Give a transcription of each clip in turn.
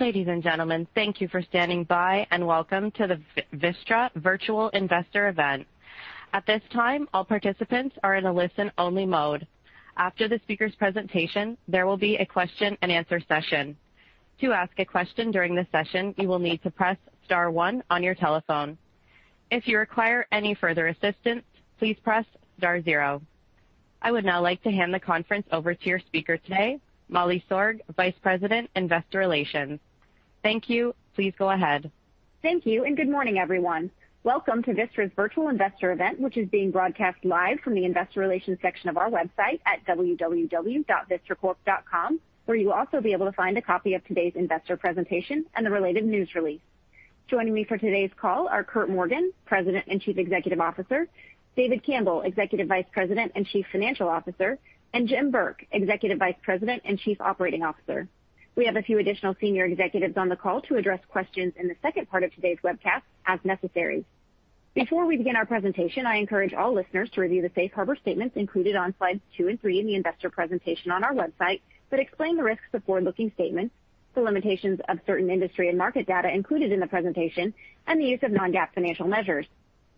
Ladies and gentlemen, thank you for standing by, and welcome to the Vistra Virtual Investor event. I would now like to hand the conference over to your speaker today, Molly Sorg, Vice President, Investor Relations. Thank you. Please go ahead. Thank you, and good morning, everyone. Welcome to Vistra's Virtual Investor event, which is being broadcast live from the investor relations section of our website at www.vistracorp.com, where you will also be able to find a copy of today's investor presentation and the related news release. Joining me for today's call are Curt Morgan, President and Chief Executive Officer, David Campbell, Executive Vice President and Chief Financial Officer, and Jim Burke, Executive Vice President and Chief Operating Officer. We have a few additional senior executives on the call to address questions in the second part of today's webcast as necessary. Before we begin our presentation, I encourage all listeners to review the safe harbor statements included on slides two and three in the investor presentation on our website that explain the risks of forward-looking statements, the limitations of certain industry and market data included in the presentation, and the use of non-GAAP financial measures.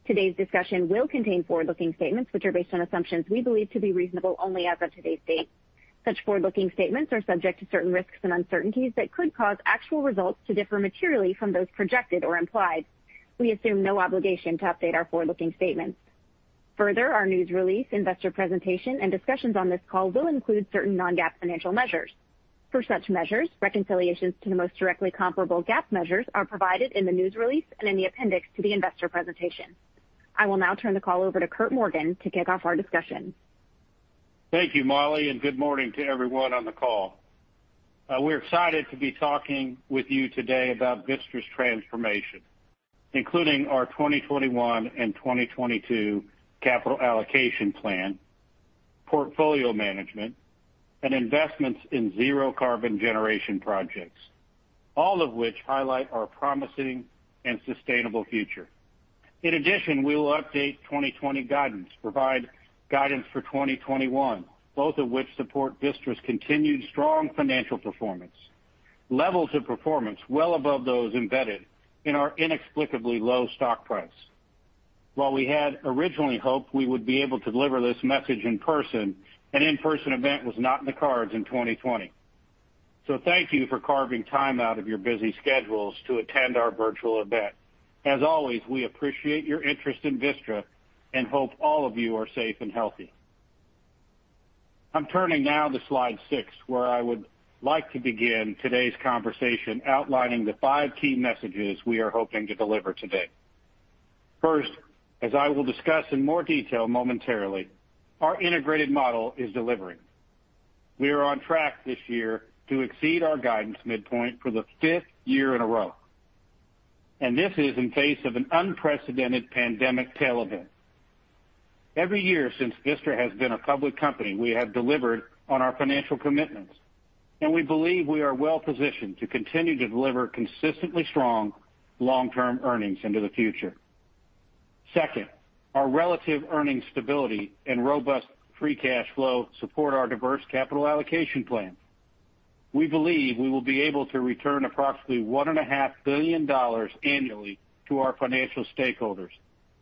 Today's discussion will contain forward-looking statements, which are based on assumptions we believe to be reasonable only as of today's date. Such forward-looking statements are subject to certain risks and uncertainties that could cause actual results to differ materially from those projected or implied. We assume no obligation to update our forward-looking statements. Further, our news release, investor presentation, and discussions on this call will include certain non-GAAP financial measures. For such measures, reconciliations to the most directly comparable GAAP measures are provided in the news release and in the appendix to the investor presentation. I will now turn the call over to Curt Morgan to kick off our discussion. Thank you, Molly. Good morning to everyone on the call. We're excited to be talking with you today about Vistra's transformation, including our 2021 and 2022 capital allocation plan, portfolio management, and investments in zero-carbon generation projects, all of which highlight our promising and sustainable future. In addition, we will update 2020 guidance, provide guidance for 2021, both of which support Vistra's continued strong financial performance, levels of performance well above those embedded in our inexplicably low stock price. While we had originally hoped we would be able to deliver this message in person, an in-person event was not in the cards in 2020. Thank you for carving time out of your busy schedules to attend our virtual event. As always, we appreciate your interest in Vistra and hope all of you are safe and healthy. I'm turning now to slide six, where I would like to begin today's conversation outlining the five key messages we are hoping to deliver today. First, as I will discuss in more detail momentarily, our integrated model is delivering. We are on track this year to exceed our guidance midpoint for the fifth year in a row, this is in face of an unprecedented pandemic tail event. Every year since Vistra has been a public company, we have delivered on our financial commitments, we believe we are well-positioned to continue to deliver consistently strong long-term earnings into the future. Second, our relative earnings stability and robust free cash flow support our diverse capital allocation plan. We believe we will be able to return approximately $1.5 billion annually to our financial stakeholders,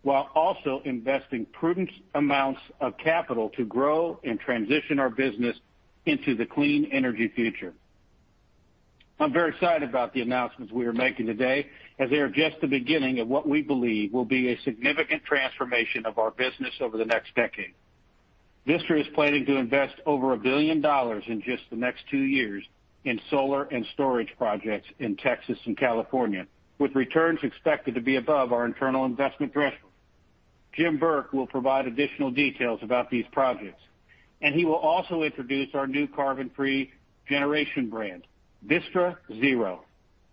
while also investing prudent amounts of capital to grow and transition our business into the clean energy future. I'm very excited about the announcements we are making today, as they are just the beginning of what we believe will be a significant transformation of our business over the next decade. Vistra is planning to invest over $1 billion in just the next two years in solar and storage projects in Texas and California, with returns expected to be above our internal investment threshold. Jim Burke will provide additional details about these projects, and he will also introduce our new carbon-free generation brand, Vistra Zero,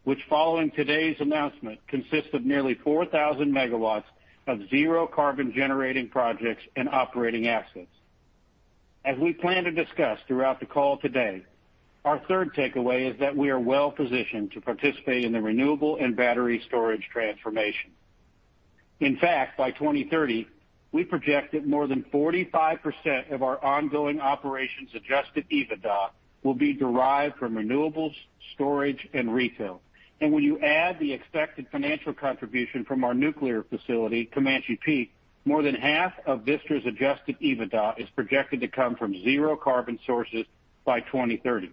which following today's announcement, consists of nearly 4,000 MW of zero-carbon generating projects and operating assets. As we plan to discuss throughout the call today, our third takeaway is that we are well-positioned to participate in the renewable and battery storage transformation. In fact, by 2030, we project that more than 45% of our ongoing operations adjusted EBITDA will be derived from renewables, storage, and retail. When you add the expected financial contribution from our nuclear facility, Comanche Peak, more than half of Vistra's adjusted EBITDA is projected to come from zero-carbon sources by 2030,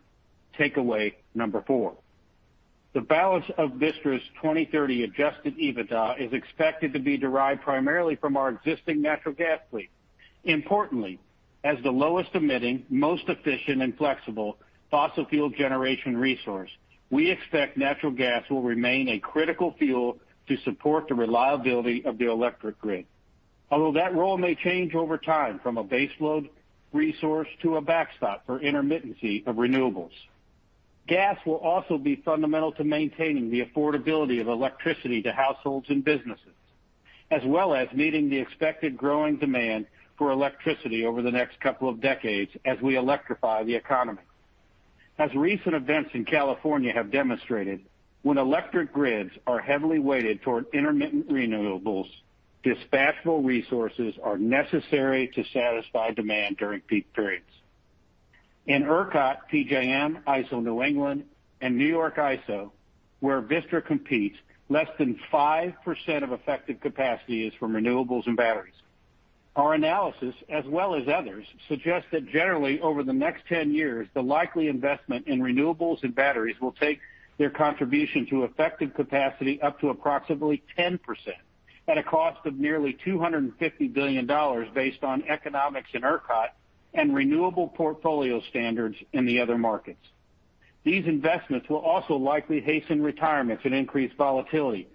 takeaway number four. The balance of Vistra's 2030 adjusted EBITDA is expected to be derived primarily from our existing natural gas fleet. Importantly, as the lowest-emitting, most efficient, and flexible fossil fuel generation resource, we expect natural gas will remain a critical fuel to support the reliability of the electric grid. Although that role may change over time from a baseload resource to a backstop for intermittency of renewables. Gas will also be fundamental to maintaining the affordability of electricity to households and businesses, as well as meeting the expected growing demand for electricity over the next couple of decades as we electrify the economy. As recent events in California have demonstrated, when electric grids are heavily weighted toward intermittent renewables, dispatchable resources are necessary to satisfy demand during peak periods. In ERCOT, PJM, ISO New England, and New York ISO, where Vistra competes, less than 5% of effective capacity is from renewables and batteries. Our analysis, as well as others, suggests that generally over the next 10 years, the likely investment in renewables and batteries will take their contribution to effective capacity up to approximately 10% at a cost of nearly $250 billion based on economics in ERCOT and Renewable Portfolio Standards in the other markets. These investments will also likely hasten retirements and increase volatility,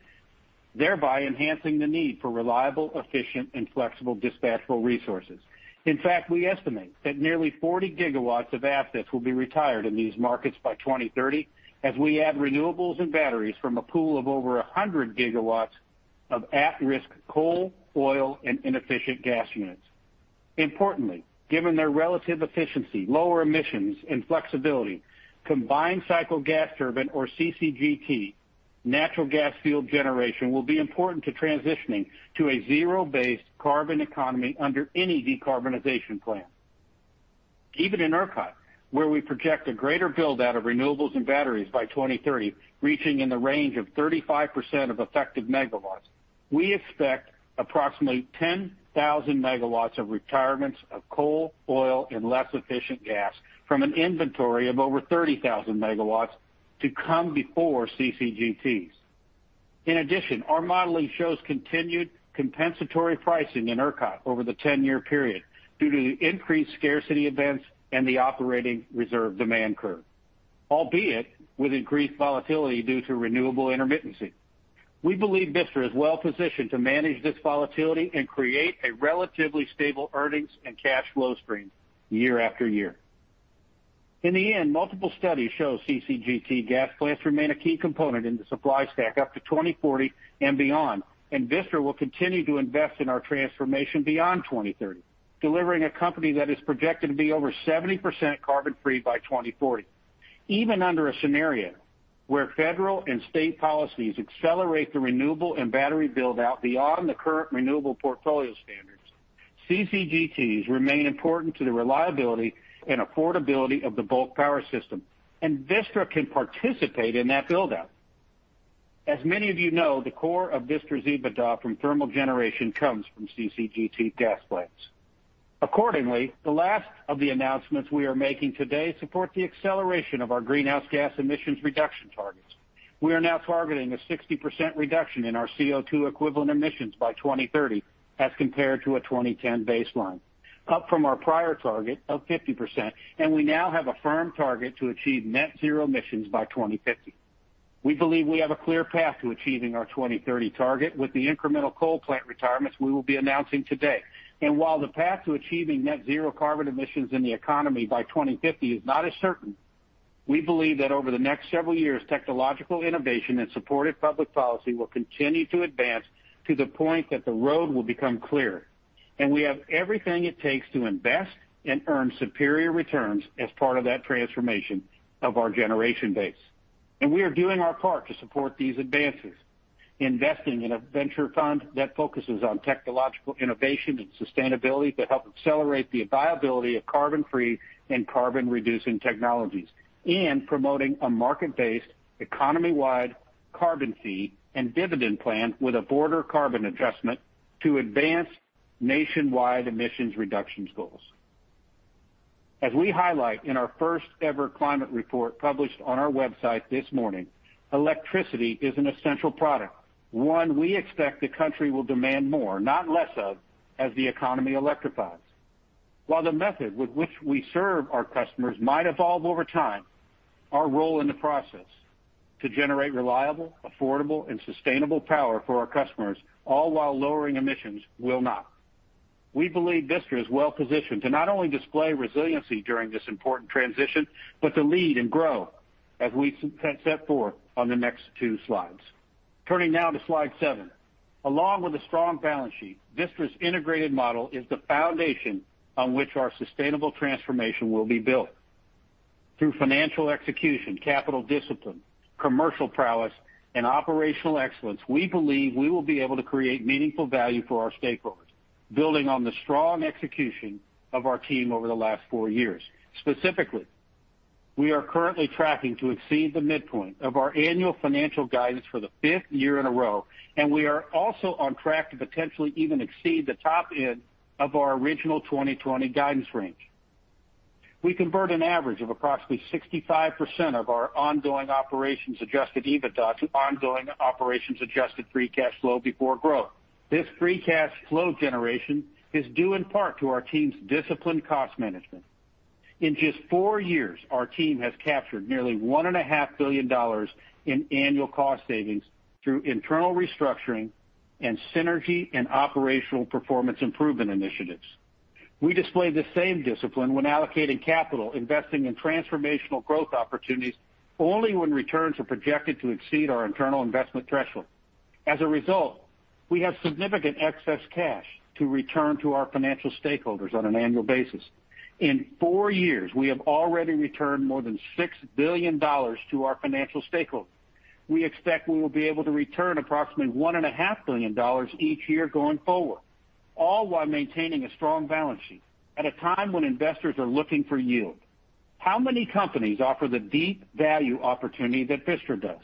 thereby enhancing the need for reliable, efficient, and flexible dispatchable resources. In fact, we estimate that nearly 40 GW of assets will be retired in these markets by 2030 as we add renewables and batteries from a pool of over 100 GW of at-risk coal, oil, and inefficient gas units. Importantly, given their relative efficiency, lower emissions, and flexibility, combined cycle gas turbine, or CCGT, natural gas-fueled generation will be important to transitioning to a zero-based carbon economy under any decarbonization plan. Even in ERCOT, where we project a greater build-out of renewables and batteries by 2030, reaching in the range of 35% of effective MW, we expect approximately 10,000 MW of retirements of coal, oil, and less efficient gas from an inventory of over 30,000 MW to come before CCGTs. In addition, our modeling shows continued compensatory pricing in ERCOT over the 10-year period due to increased scarcity events and the Operating Reserve Demand Curve, albeit with increased volatility due to renewable intermittency. We believe Vistra is well-positioned to manage this volatility and create a relatively stable earnings and cash flow stream year after year. In the end, multiple studies show CCGT gas plants remain a key component in the supply stack up to 2040 and beyond, and Vistra will continue to invest in our transformation beyond 2030, delivering a company that is projected to be over 70% carbon-free by 2040. Even under a scenario where federal and state policies accelerate the renewable and battery build-out beyond the current Renewable Portfolio Standards, CCGTs remain important to the reliability and affordability of the bulk power system, and Vistra can participate in that build-out. As many of you know, the core of Vistra's EBITDA from thermal generation comes from CCGT gas plants. Accordingly, the last of the announcements we are making today support the acceleration of our greenhouse gas emissions reduction targets. We are now targeting a 60% reduction in our CO2 equivalent emissions by 2030 as compared to a 2010 baseline, up from our prior target of 50%, and we now have a firm target to achieve net zero emissions by 2050. We believe we have a clear path to achieving our 2030 target with the incremental coal plant retirements we will be announcing today. While the path to achieving net zero carbon emissions in the economy by 2050 is not as certain, we believe that over the next several years, technological innovation and supportive public policy will continue to advance to the point that the road will become clearer, and we have everything it takes to invest and earn superior returns as part of that transformation of our generation base. We are doing our part to support these advances, investing in a venture fund that focuses on technological innovation and sustainability to help accelerate the viability of carbon-free and carbon-reducing technologies, and promoting a market-based, economy-wide carbon fee and dividend plan with a border carbon adjustment to advance nationwide emissions reductions goals. As we highlight in our first-ever climate report published on our website this morning, electricity is an essential product, one we expect the country will demand more, not less of, as the economy electrifies. While the method with which we serve our customers might evolve over time, our role in the process to generate reliable, affordable, and sustainable power for our customers, all while lowering emissions, will not. We believe Vistra is well-positioned to not only display resiliency during this important transition, but to lead and grow as we set forth on the next two slides. Turning now to slide seven. Along with a strong balance sheet, Vistra's integrated model is the foundation on which our sustainable transformation will be built. Through financial execution, capital discipline, commercial prowess, and operational excellence, we believe we will be able to create meaningful value for our stakeholders, building on the strong execution of our team over the last four years. Specifically, we are currently tracking to exceed the midpoint of our annual financial guidance for the fifth year in a row, and we are also on track to potentially even exceed the top end of our original 2020 guidance range. We convert an average of approximately 65% of our ongoing operations adjusted EBITDA to ongoing operations adjusted free cash flow before growth. This free cash flow generation is due in part to our team's disciplined cost management. In just four years, our team has captured nearly $1.5 billion in annual cost savings through internal restructuring and synergy and operational performance improvement initiatives. We display the same discipline when allocating capital, investing in transformational growth opportunities only when returns are projected to exceed our internal investment threshold. As a result, we have significant excess cash to return to our financial stakeholders on an annual basis. In four years, we have already returned more than $6 billion to our financial stakeholders. We expect we will be able to return approximately one and a half billion dollars each year going forward, all while maintaining a strong balance sheet at a time when investors are looking for yield. How many companies offer the deep value opportunity that Vistra does?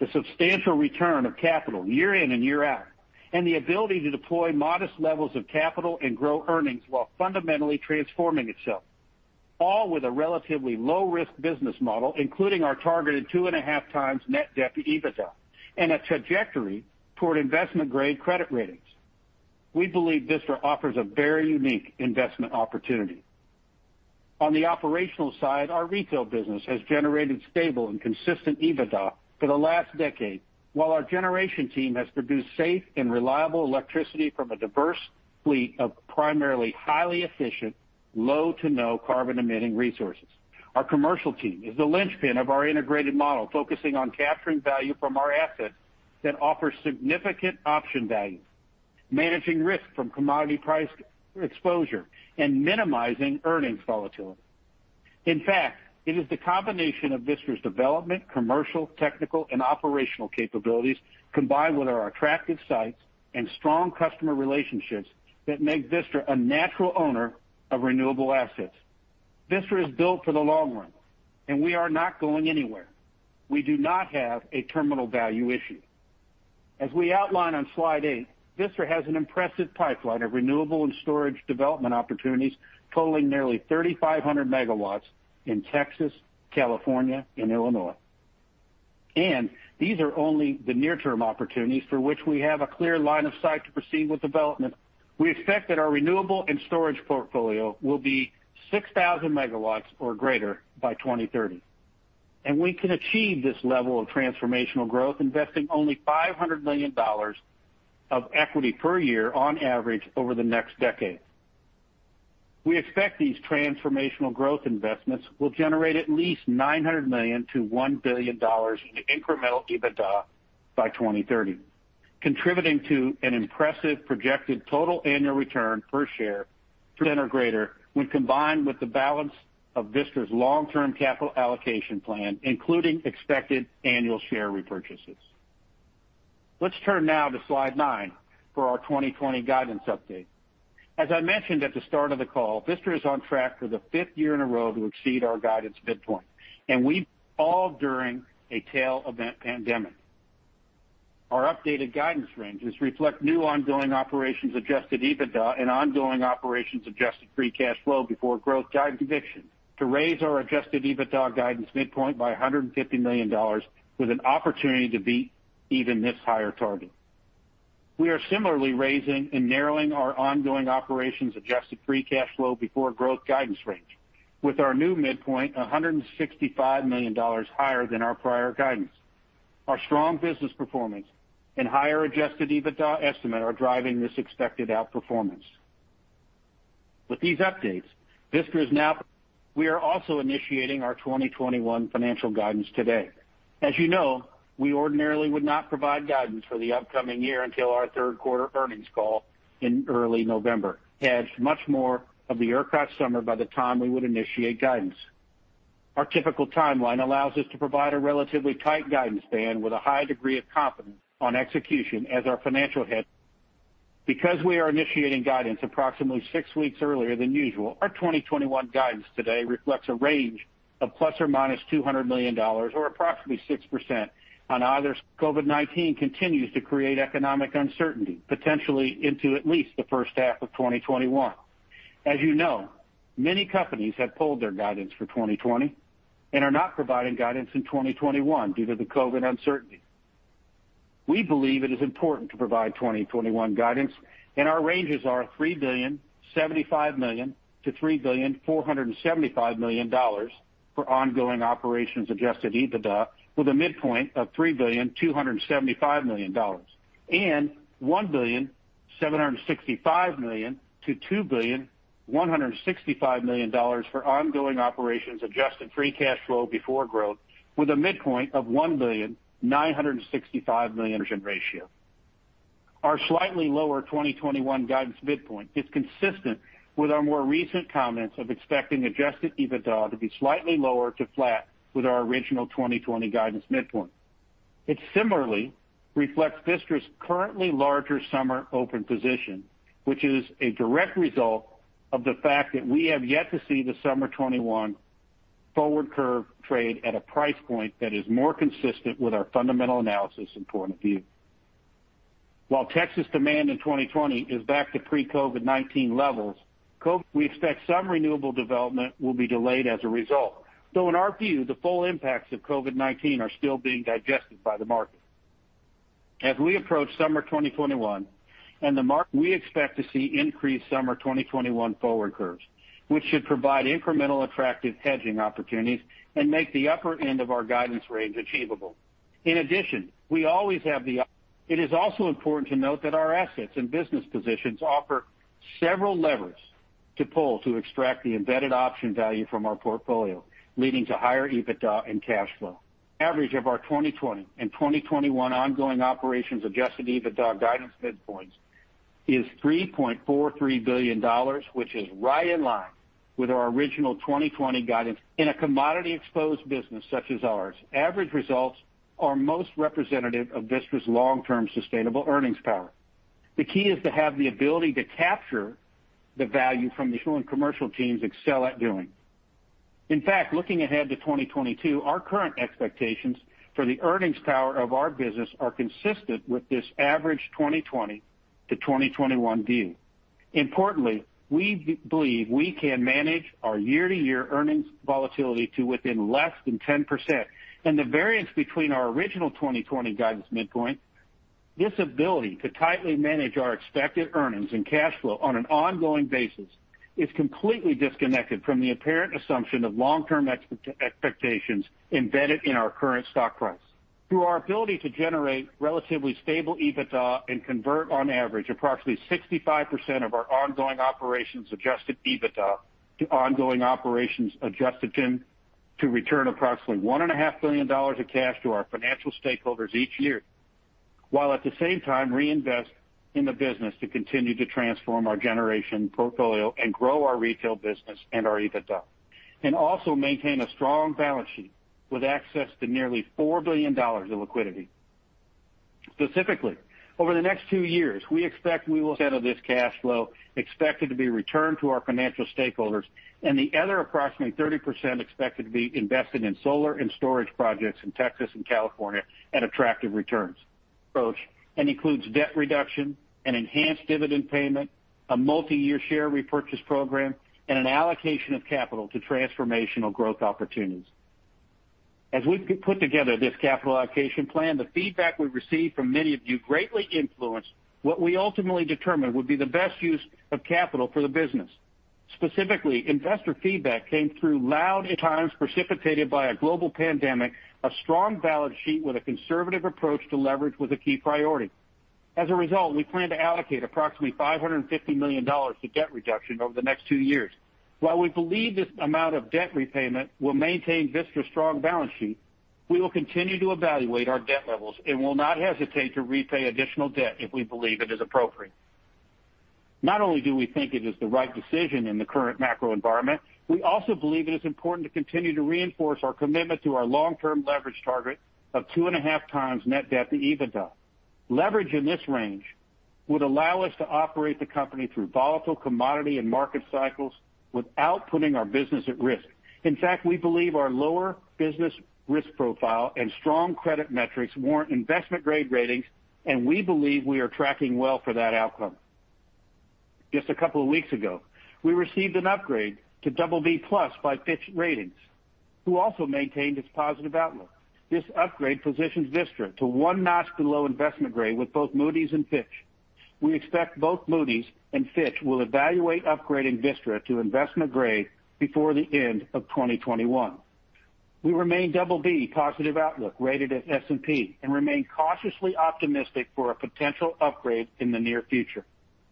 The substantial return of capital year in and year out, and the ability to deploy modest levels of capital and grow earnings while fundamentally transforming itself, all with a relatively low-risk business model, including our targeted two and a half times net debt EBITDA and a trajectory toward investment-grade credit ratings. We believe Vistra offers a very unique investment opportunity. On the operational side, our retail business has generated stable and consistent EBITDA for the last decade, while our generation team has produced safe and reliable electricity from a diverse fleet of primarily highly efficient, low to no carbon-emitting resources. Our commercial team is the linchpin of our integrated model, focusing on capturing value from our assets that offer significant option value, managing risk from commodity price exposure, and minimizing earnings volatility. In fact, it is the combination of Vistra's development, commercial, technical, and operational capabilities, combined with our attractive sites and strong customer relationships that make Vistra a natural owner of renewable assets. Vistra is built for the long run, and we are not going anywhere. We do not have a terminal value issue. As we outline on slide eight, Vistra has an impressive pipeline of renewable and storage development opportunities totaling nearly 3,500 MW in Texas, California, and Illinois. These are only the near-term opportunities for which we have a clear line of sight to proceed with development. We expect that our renewable and storage portfolio will be 6,000 MW or greater by 2030. We can achieve this level of transformational growth investing only $500 million of equity per year on average over the next decade. We expect these transformational growth investments will generate at least $900 million to $1 billion in incremental EBITDA by 2030, contributing to an impressive projected total annual return per share, 10% or greater when combined with the balance of Vistra's long-term capital allocation plan, including expected annual share repurchases. Let's turn now to slide nine for our 2020 guidance update. As I mentioned at the start of the call, Vistra is on track for the fifth year in a row to exceed our guidance midpoint, and all during a tail event pandemic. Our updated guidance ranges reflect new ongoing operations adjusted EBITDA and ongoing operations adjusted free cash flow before growth guidance additions to raise our adjusted EBITDA guidance midpoint by $150 million with an opportunity to beat even this higher target. We are similarly raising and narrowing our ongoing operations adjusted free cash flow before growth guidance range with our new midpoint, $165 million higher than our prior guidance. Our strong business performance and higher adjusted EBITDA estimate are driving this expected outperformance. With these updates, we are also initiating our 2021 financial guidance today. As you know, we ordinarily would not provide guidance for the upcoming year until our third-quarter earnings call in early November. Had much more of the ERCOT summer by the time we would initiate guidance. Our typical timeline allows us to provide a relatively tight guidance band with a high degree of confidence on execution as our financial head. Because we are initiating guidance approximately six weeks earlier than usual, our 2021 guidance today reflects a range of ±$200 million, or approximately 6% on either. COVID-19 continues to create economic uncertainty, potentially into at least the first half of 2021. As you know, many companies have pulled their guidance for 2020 and are not providing guidance in 2021 due to the COVID uncertainty. We believe it is important to provide 2021 guidance, our ranges are $3.075 billion-$3.475 billion for ongoing operations adjusted EBITDA, with a midpoint of $3.275 billion. $1.765 billion-$2.165 billion for ongoing operations adjusted free cash flow before growth with a midpoint of $1.965 billion in ratio. Our slightly lower 2021 guidance midpoint is consistent with our more recent comments of expecting adjusted EBITDA to be slightly lower to flat with our original 2020 guidance midpoint. It similarly reflects Vistra's currently larger summer open position, which is a direct result of the fact that we have yet to see the summer '21 forward curve trade at a price point that is more consistent with our fundamental analysis and point of view. While Texas demand in 2020 is back to pre-COVID-19 levels, we expect some renewable development will be delayed as a result. In our view, the full impacts of COVID-19 are still being digested by the market. As we approach summer 2021, we expect to see increased summer 2021 forward curves, which should provide incremental attractive hedging opportunities and make the upper end of our guidance range achievable. In addition, it is also important to note that our assets and business positions offer several levers to pull to extract the embedded option value from our portfolio, leading to higher EBITDA and cash flow. Average of our 2020 and 2021 ongoing operations adjusted EBITDA guidance midpoints is $3.43 billion, which is right in line with our original 2020 guidance. In a commodity-exposed business such as ours, average results are most representative of Vistra's long-term sustainable earnings power. The key is to have the ability to capture the value from the fuel and commercial teams excel at doing. In fact, looking ahead to 2022, our current expectations for the earnings power of our business are consistent with this average 2020-2021 view. Importantly, we believe we can manage our year-to-year earnings volatility to within less than 10%, and the variance between our original 2020 guidance midpoint, this ability to tightly manage our expected earnings and cash flow on an ongoing basis is completely disconnected from the apparent assumption of long-term expectations embedded in our current stock price. Through our ability to generate relatively stable EBITDA and convert, on average, approximately 65% of our ongoing operations adjusted EBITDA to ongoing operations [adjusted income] to return approximately $1.5 billion of cash to our financial stakeholders each year. While at the same time reinvest in the business to continue to transform our generation portfolio and grow our retail business and our EBITDA. Also maintain a strong balance sheet with access to nearly $4 billion in liquidity. Specifically, over the next two years, we expect we will handle this cash flow expected to be returned to our financial stakeholders and the other approximately 30% expected to be invested in solar and storage projects in Texas and California at attractive returns. Approach includes debt reduction, an enhanced dividend payment, a multiyear share repurchase program, and an allocation of capital to transformational growth opportunities. As we've put together this capital allocation plan, the feedback we've received from many of you greatly influenced what we ultimately determined would be the best use of capital for the business. Specifically, investor feedback came through loud at times, precipitated by a global pandemic, a strong balance sheet with a conservative approach to leverage was a key priority. As a result, we plan to allocate approximately $550 million to debt reduction over the next two years. While we believe this amount of debt repayment will maintain Vistra's strong balance sheet, we will continue to evaluate our debt levels and will not hesitate to repay additional debt if we believe it is appropriate. Not only do we think it is the right decision in the current macro environment, we also believe it is important to continue to reinforce our commitment to our long-term leverage target of 2.5x net debt to EBITDA. Leverage in this range would allow us to operate the company through volatile commodity and market cycles without putting our business at risk. In fact, we believe our lower business risk profile and strong credit metrics warrant investment-grade ratings, and we believe we are tracking well for that outcome. Just a couple of weeks ago, we received an upgrade to BB+ by Fitch Ratings, who also maintained its positive outlook. This upgrade positions Vistra to one notch below investment grade with both Moody's and Fitch. We expect both Moody's and Fitch will evaluate upgrading Vistra to investment grade before the end of 2021. We remain BB positive outlook rated at S&P and remain cautiously optimistic for a potential upgrade in the near future.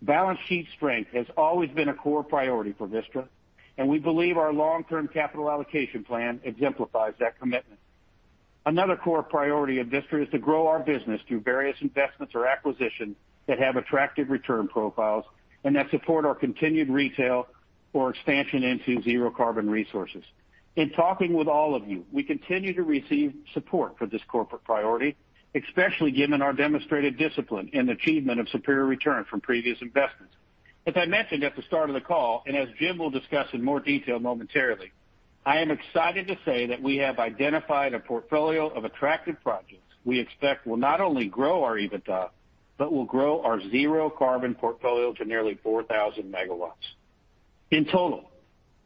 Balance sheet strength has always been a core priority for Vistra, and we believe our long-term capital allocation plan exemplifies that commitment. Another core priority of Vistra is to grow our business through various investments or acquisitions that have attractive return profiles and that support our continued retail or expansion into zero-carbon resources. In talking with all of you, we continue to receive support for this corporate priority, especially given our demonstrated discipline and achievement of superior return from previous investments. As I mentioned at the start of the call, as Jim will discuss in more detail momentarily, I am excited to say that we have identified a portfolio of attractive projects we expect will not only grow our EBITDA, but will grow our zero-carbon portfolio to nearly 4,000 MW. In total,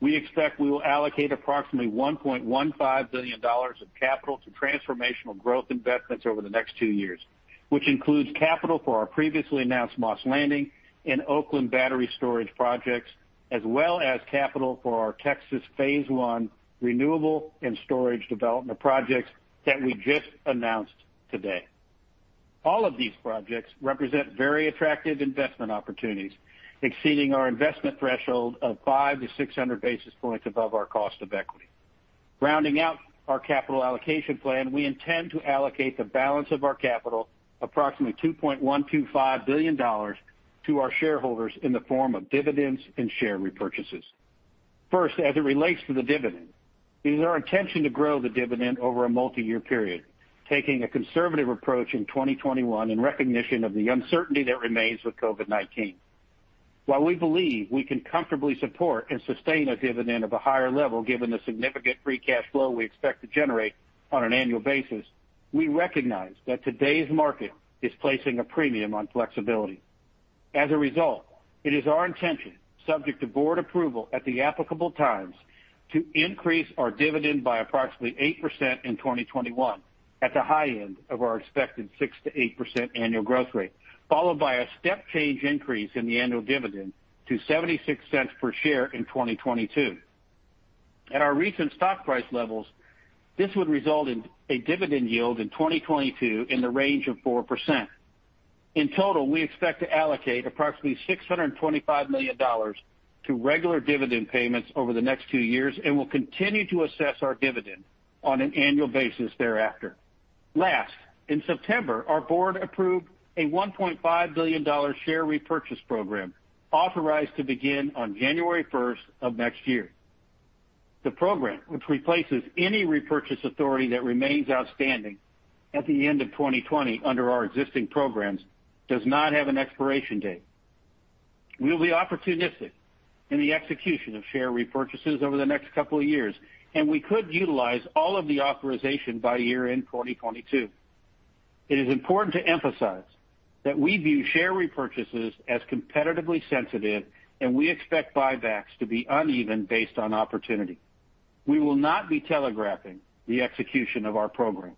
we expect we will allocate approximately $1.15 billion of capital to transformational growth investments over the next two years, which includes capital for our previously announced Moss Landing and Oakland battery storage projects, as well as capital for our Texas phase I renewable and storage development projects that we just announced today. All of these projects represent very attractive investment opportunities, exceeding our investment threshold of 500-600 basis points above our cost of equity. Rounding out our capital allocation plan, we intend to allocate the balance of our capital, approximately $2.125 billion, to our shareholders in the form of dividends and share repurchases. First, as it relates to the dividend, it is our intention to grow the dividend over a multiyear period, taking a conservative approach in 2021 in recognition of the uncertainty that remains with COVID-19. While we believe we can comfortably support and sustain a dividend of a higher level given the significant free cash flow we expect to generate on an annual basis, we recognize that today's market is placing a premium on flexibility. As a result, it is our intention, subject to board approval at the applicable times, to increase our dividend by approximately 8% in 2021 at the high end of our expected 6%-8% annual growth rate, followed by a step change increase in the annual dividend to $0.76 per share in 2022. At our recent stock price levels, this would result in a dividend yield in 2022 in the range of 4%. In total, we expect to allocate approximately $625 million to regular dividend payments over the next two years, and we'll continue to assess our dividend on an annual basis thereafter. Last, in September, our board approved a $1.5 billion share repurchase program authorized to begin on January first of next year. The program, which replaces any repurchase authority that remains outstanding at the end of 2020 under our existing programs, does not have an expiration date. We will be opportunistic in the execution of share repurchases over the next couple of years. We could utilize all of the authorization by year-end 2022. It is important to emphasize that we view share repurchases as competitively sensitive. We expect buybacks to be uneven based on opportunity. We will not be telegraphing the execution of our program.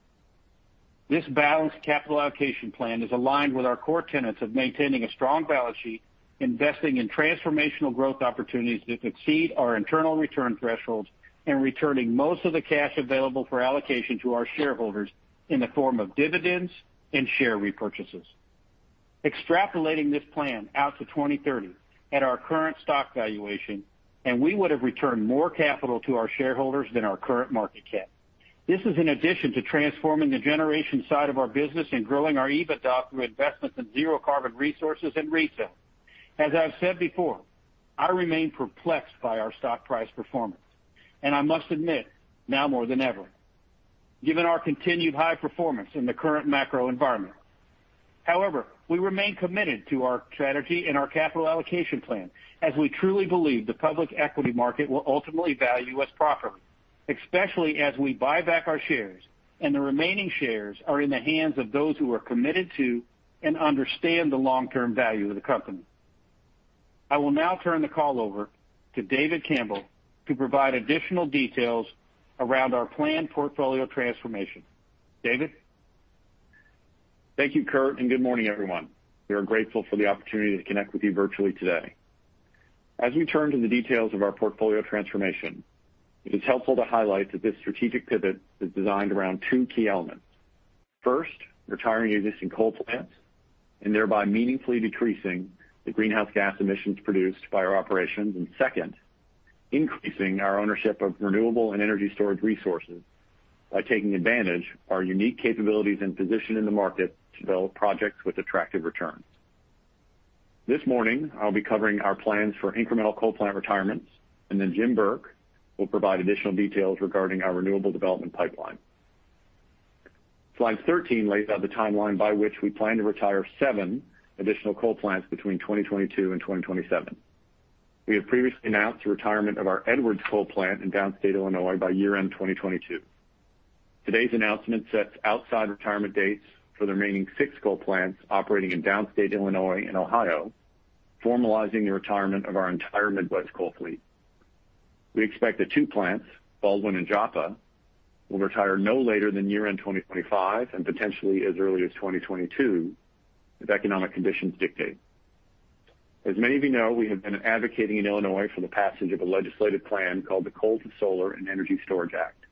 This balanced capital allocation plan is aligned with our core tenets of maintaining a strong balance sheet, investing in transformational growth opportunities that exceed our internal return thresholds, and returning most of the cash available for allocation to our shareholders in the form of dividends and share repurchases. Extrapolating this plan out to 2030 at our current stock valuation, we would have returned more capital to our shareholders than our current market cap. This is in addition to transforming the generation side of our business and growing our EBITDA through investments in zero carbon resources and retail. As I've said before, I remain perplexed by our stock price performance, and I must admit now more than ever, given our continued high performance in the current macro environment. However, we remain committed to our strategy and our capital allocation plan as we truly believe the public equity market will ultimately value us properly, especially as we buy back our shares and the remaining shares are in the hands of those who are committed to and understand the long-term value of the company. I will now turn the call over to David Campbell to provide additional details around our planned portfolio transformation. David? Thank you, Curt, and good morning, everyone. We are grateful for the opportunity to connect with you virtually today. As we turn to the details of our portfolio transformation, it is helpful to highlight that this strategic pivot is designed around two key elements. First, retiring existing coal plants and thereby meaningfully decreasing the greenhouse gas emissions produced by our operations. Second, increasing our ownership of renewable and energy storage resources by taking advantage our unique capabilities and position in the market to develop projects with attractive returns. This morning, I'll be covering our plans for incremental coal plant retirements, and then Jim Burke will provide additional details regarding our renewable development pipeline. Slide 13 lays out the timeline by which we plan to retire seven additional coal plants between 2022 and 2027. We have previously announced the retirement of our Edwards coal plant in downstate Illinois by year-end 2022. Today's announcement sets outside retirement dates for the remaining six coal plants operating in downstate Illinois and Ohio, formalizing the retirement of our entire Midwest coal fleet. We expect that two plants, Baldwin and Joppa, will retire no later than year-end 2025 and potentially as early as 2022 if economic conditions dictate. As many of you know, we have been advocating in Illinois for the passage of a legislative plan called the Coal to Solar and Energy Storage Act.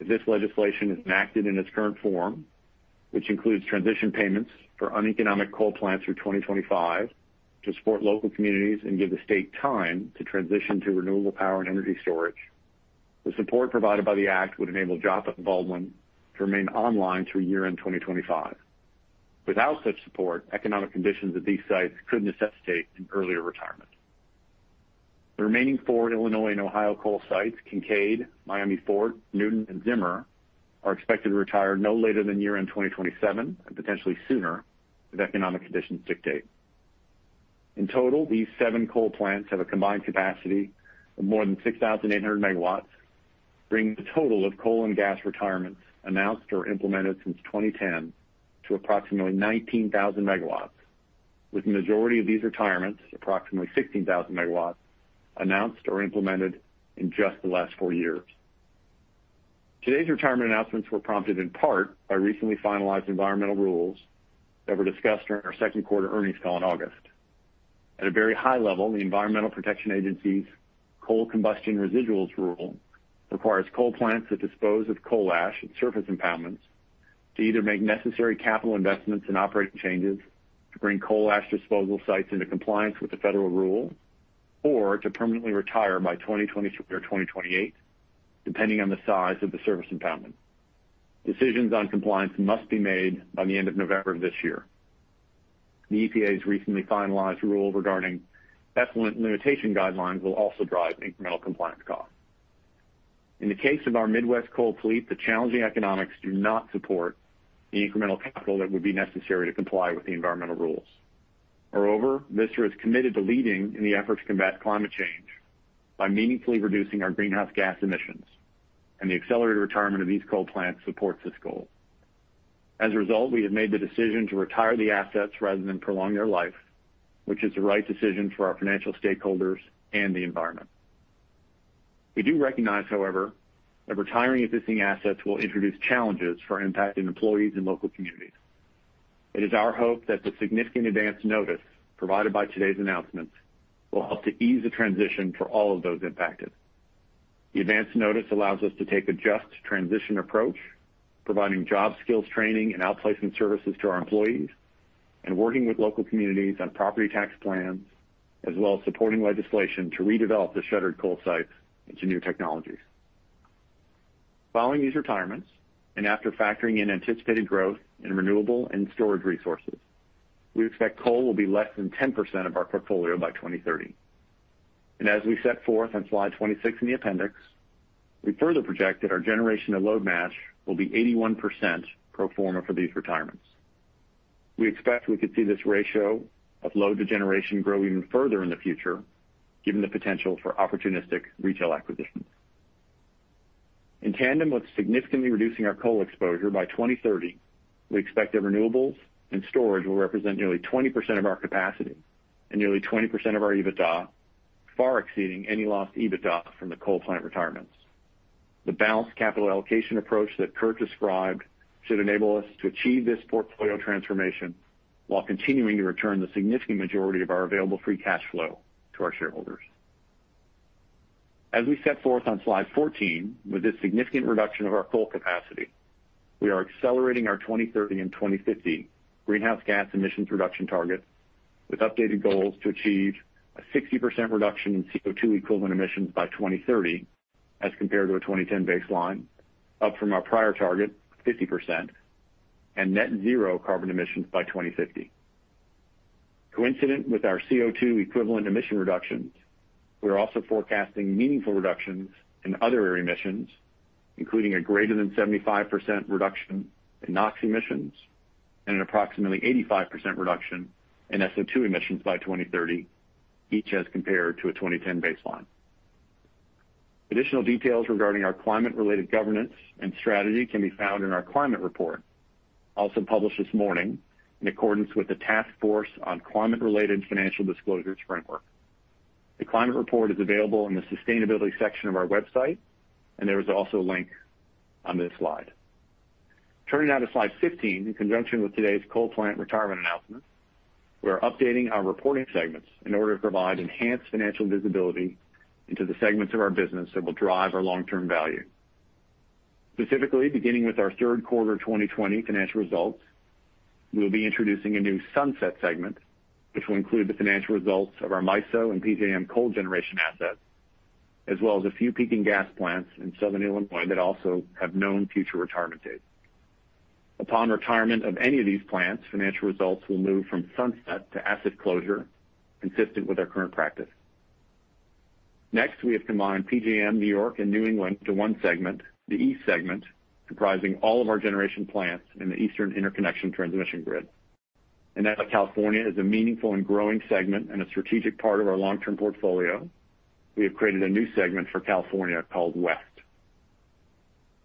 If this legislation is enacted in its current form, which includes transition payments for uneconomic coal plants through 2025 to support local communities and give the state time to transition to renewable power and energy storage, the support provided by the act would enable Joppa and Baldwin to remain online through year-end 2025. Without such support, economic conditions at these sites could necessitate an earlier retirement. The remaining four Illinois and Ohio coal sites, Kincaid, Miami Fort, Newton, and Zimmer, are expected to retire no later than year-end 2027 and potentially sooner if economic conditions dictate. In total, these seven coal plants have a combined capacity of more than 6,800 MW, bringing the total of coal and gas retirements announced or implemented since 2010 to approximately 19,000 MW, with the majority of these retirements, approximately 16,000 MW, announced or implemented in just the last four years. Today's retirement announcements were prompted in part by recently finalized environmental rules that were discussed during our second quarter earnings call in August. At a very high level, the Environmental Protection Agency's Coal Combustion Residuals rule requires coal plants that dispose of coal ash at surface impoundments to either make necessary capital investments and operating changes to bring coal ash disposal sites into compliance with the federal rule or to permanently retire by 2027 or 2028, depending on the size of the service impoundment. Decisions on compliance must be made by the end of November of this year. The EPA's recently finalized rule regarding Effluent Limitation Guidelines will also drive incremental compliance costs. In the case of our Midwest coal fleet, the challenging economics do not support the incremental capital that would be necessary to comply with the environmental rules. Moreover, Vistra is committed to leading in the effort to combat climate change by meaningfully reducing our greenhouse gas emissions, and the accelerated retirement of these coal plants supports this goal. As a result, we have made the decision to retire the assets rather than prolong their life, which is the right decision for our financial stakeholders and the environment. We do recognize, however, that retiring existing assets will introduce challenges for impacted employees and local communities. It is our hope that the significant advance notice provided by today's announcements will help to ease the transition for all of those impacted. The advance notice allows us to take a just transition approach, providing job skills training and outplacement services to our employees and working with local communities on property tax plans, as well as supporting legislation to redevelop the shuttered coal sites into new technologies. Following these retirements, and after factoring in anticipated growth in renewable and storage resources, we expect coal will be less than 10% of our portfolio by 2030. As we set forth on slide 26 in the appendix, we further project that our generation and load match will be 81% pro forma for these retirements. We expect we could see this ratio of load to generation grow even further in the future, given the potential for opportunistic retail acquisitions. In tandem with significantly reducing our coal exposure by 2030, we expect that renewables and storage will represent nearly 20% of our capacity and nearly 20% of our EBITDA, far exceeding any lost EBITDA from the coal plant retirements. The balanced capital allocation approach that Curt described should enable us to achieve this portfolio transformation while continuing to return the significant majority of our available free cash flow to our shareholders. As we set forth on slide 14, with this significant reduction of our coal capacity, we are accelerating our 2030 and 2050 greenhouse gas emissions reduction targets with updated goals to achieve a 60% reduction in CO2 equivalent emissions by 2030 as compared to a 2010 baseline, up from our prior target of 50%, and net zero carbon emissions by 2050. Coincident with our CO2 equivalent emission reductions, we are also forecasting meaningful reductions in other air emissions, including a greater than 75% reduction in NOx emissions and an approximately 85% reduction in SO2 emissions by 2030, each as compared to a 2010 baseline. Additional details regarding our climate-related governance and strategy can be found in our climate report, also published this morning in accordance with the Task Force on Climate-Related Financial Disclosures Framework. The climate report is available in the sustainability section of our website, and there is also a link on this slide. Turning now to slide 15, in conjunction with today's coal plant retirement announcement, we are updating our reporting segments in order to provide enhanced financial visibility into the segments of our business that will drive our long-term value. Specifically, beginning with our third quarter 2020 financial results, we will be introducing a new Sunset Segment, which will include the financial results of our MISO and PJM coal generation assets, as well as a few peaking gas plants in Southern Illinois that also have known future retirement dates. Upon retirement of any of these plants, financial results will move from Sunset Segment to Asset Closure, consistent with our current practice. Next, we have combined PJM, New York, and New England into one segment, the East Segment, comprising all of our generation plants in the Eastern Interconnection transmission grid. As California is a meaningful and growing segment and a strategic part of our long-term portfolio, we have created a new segment for California called West.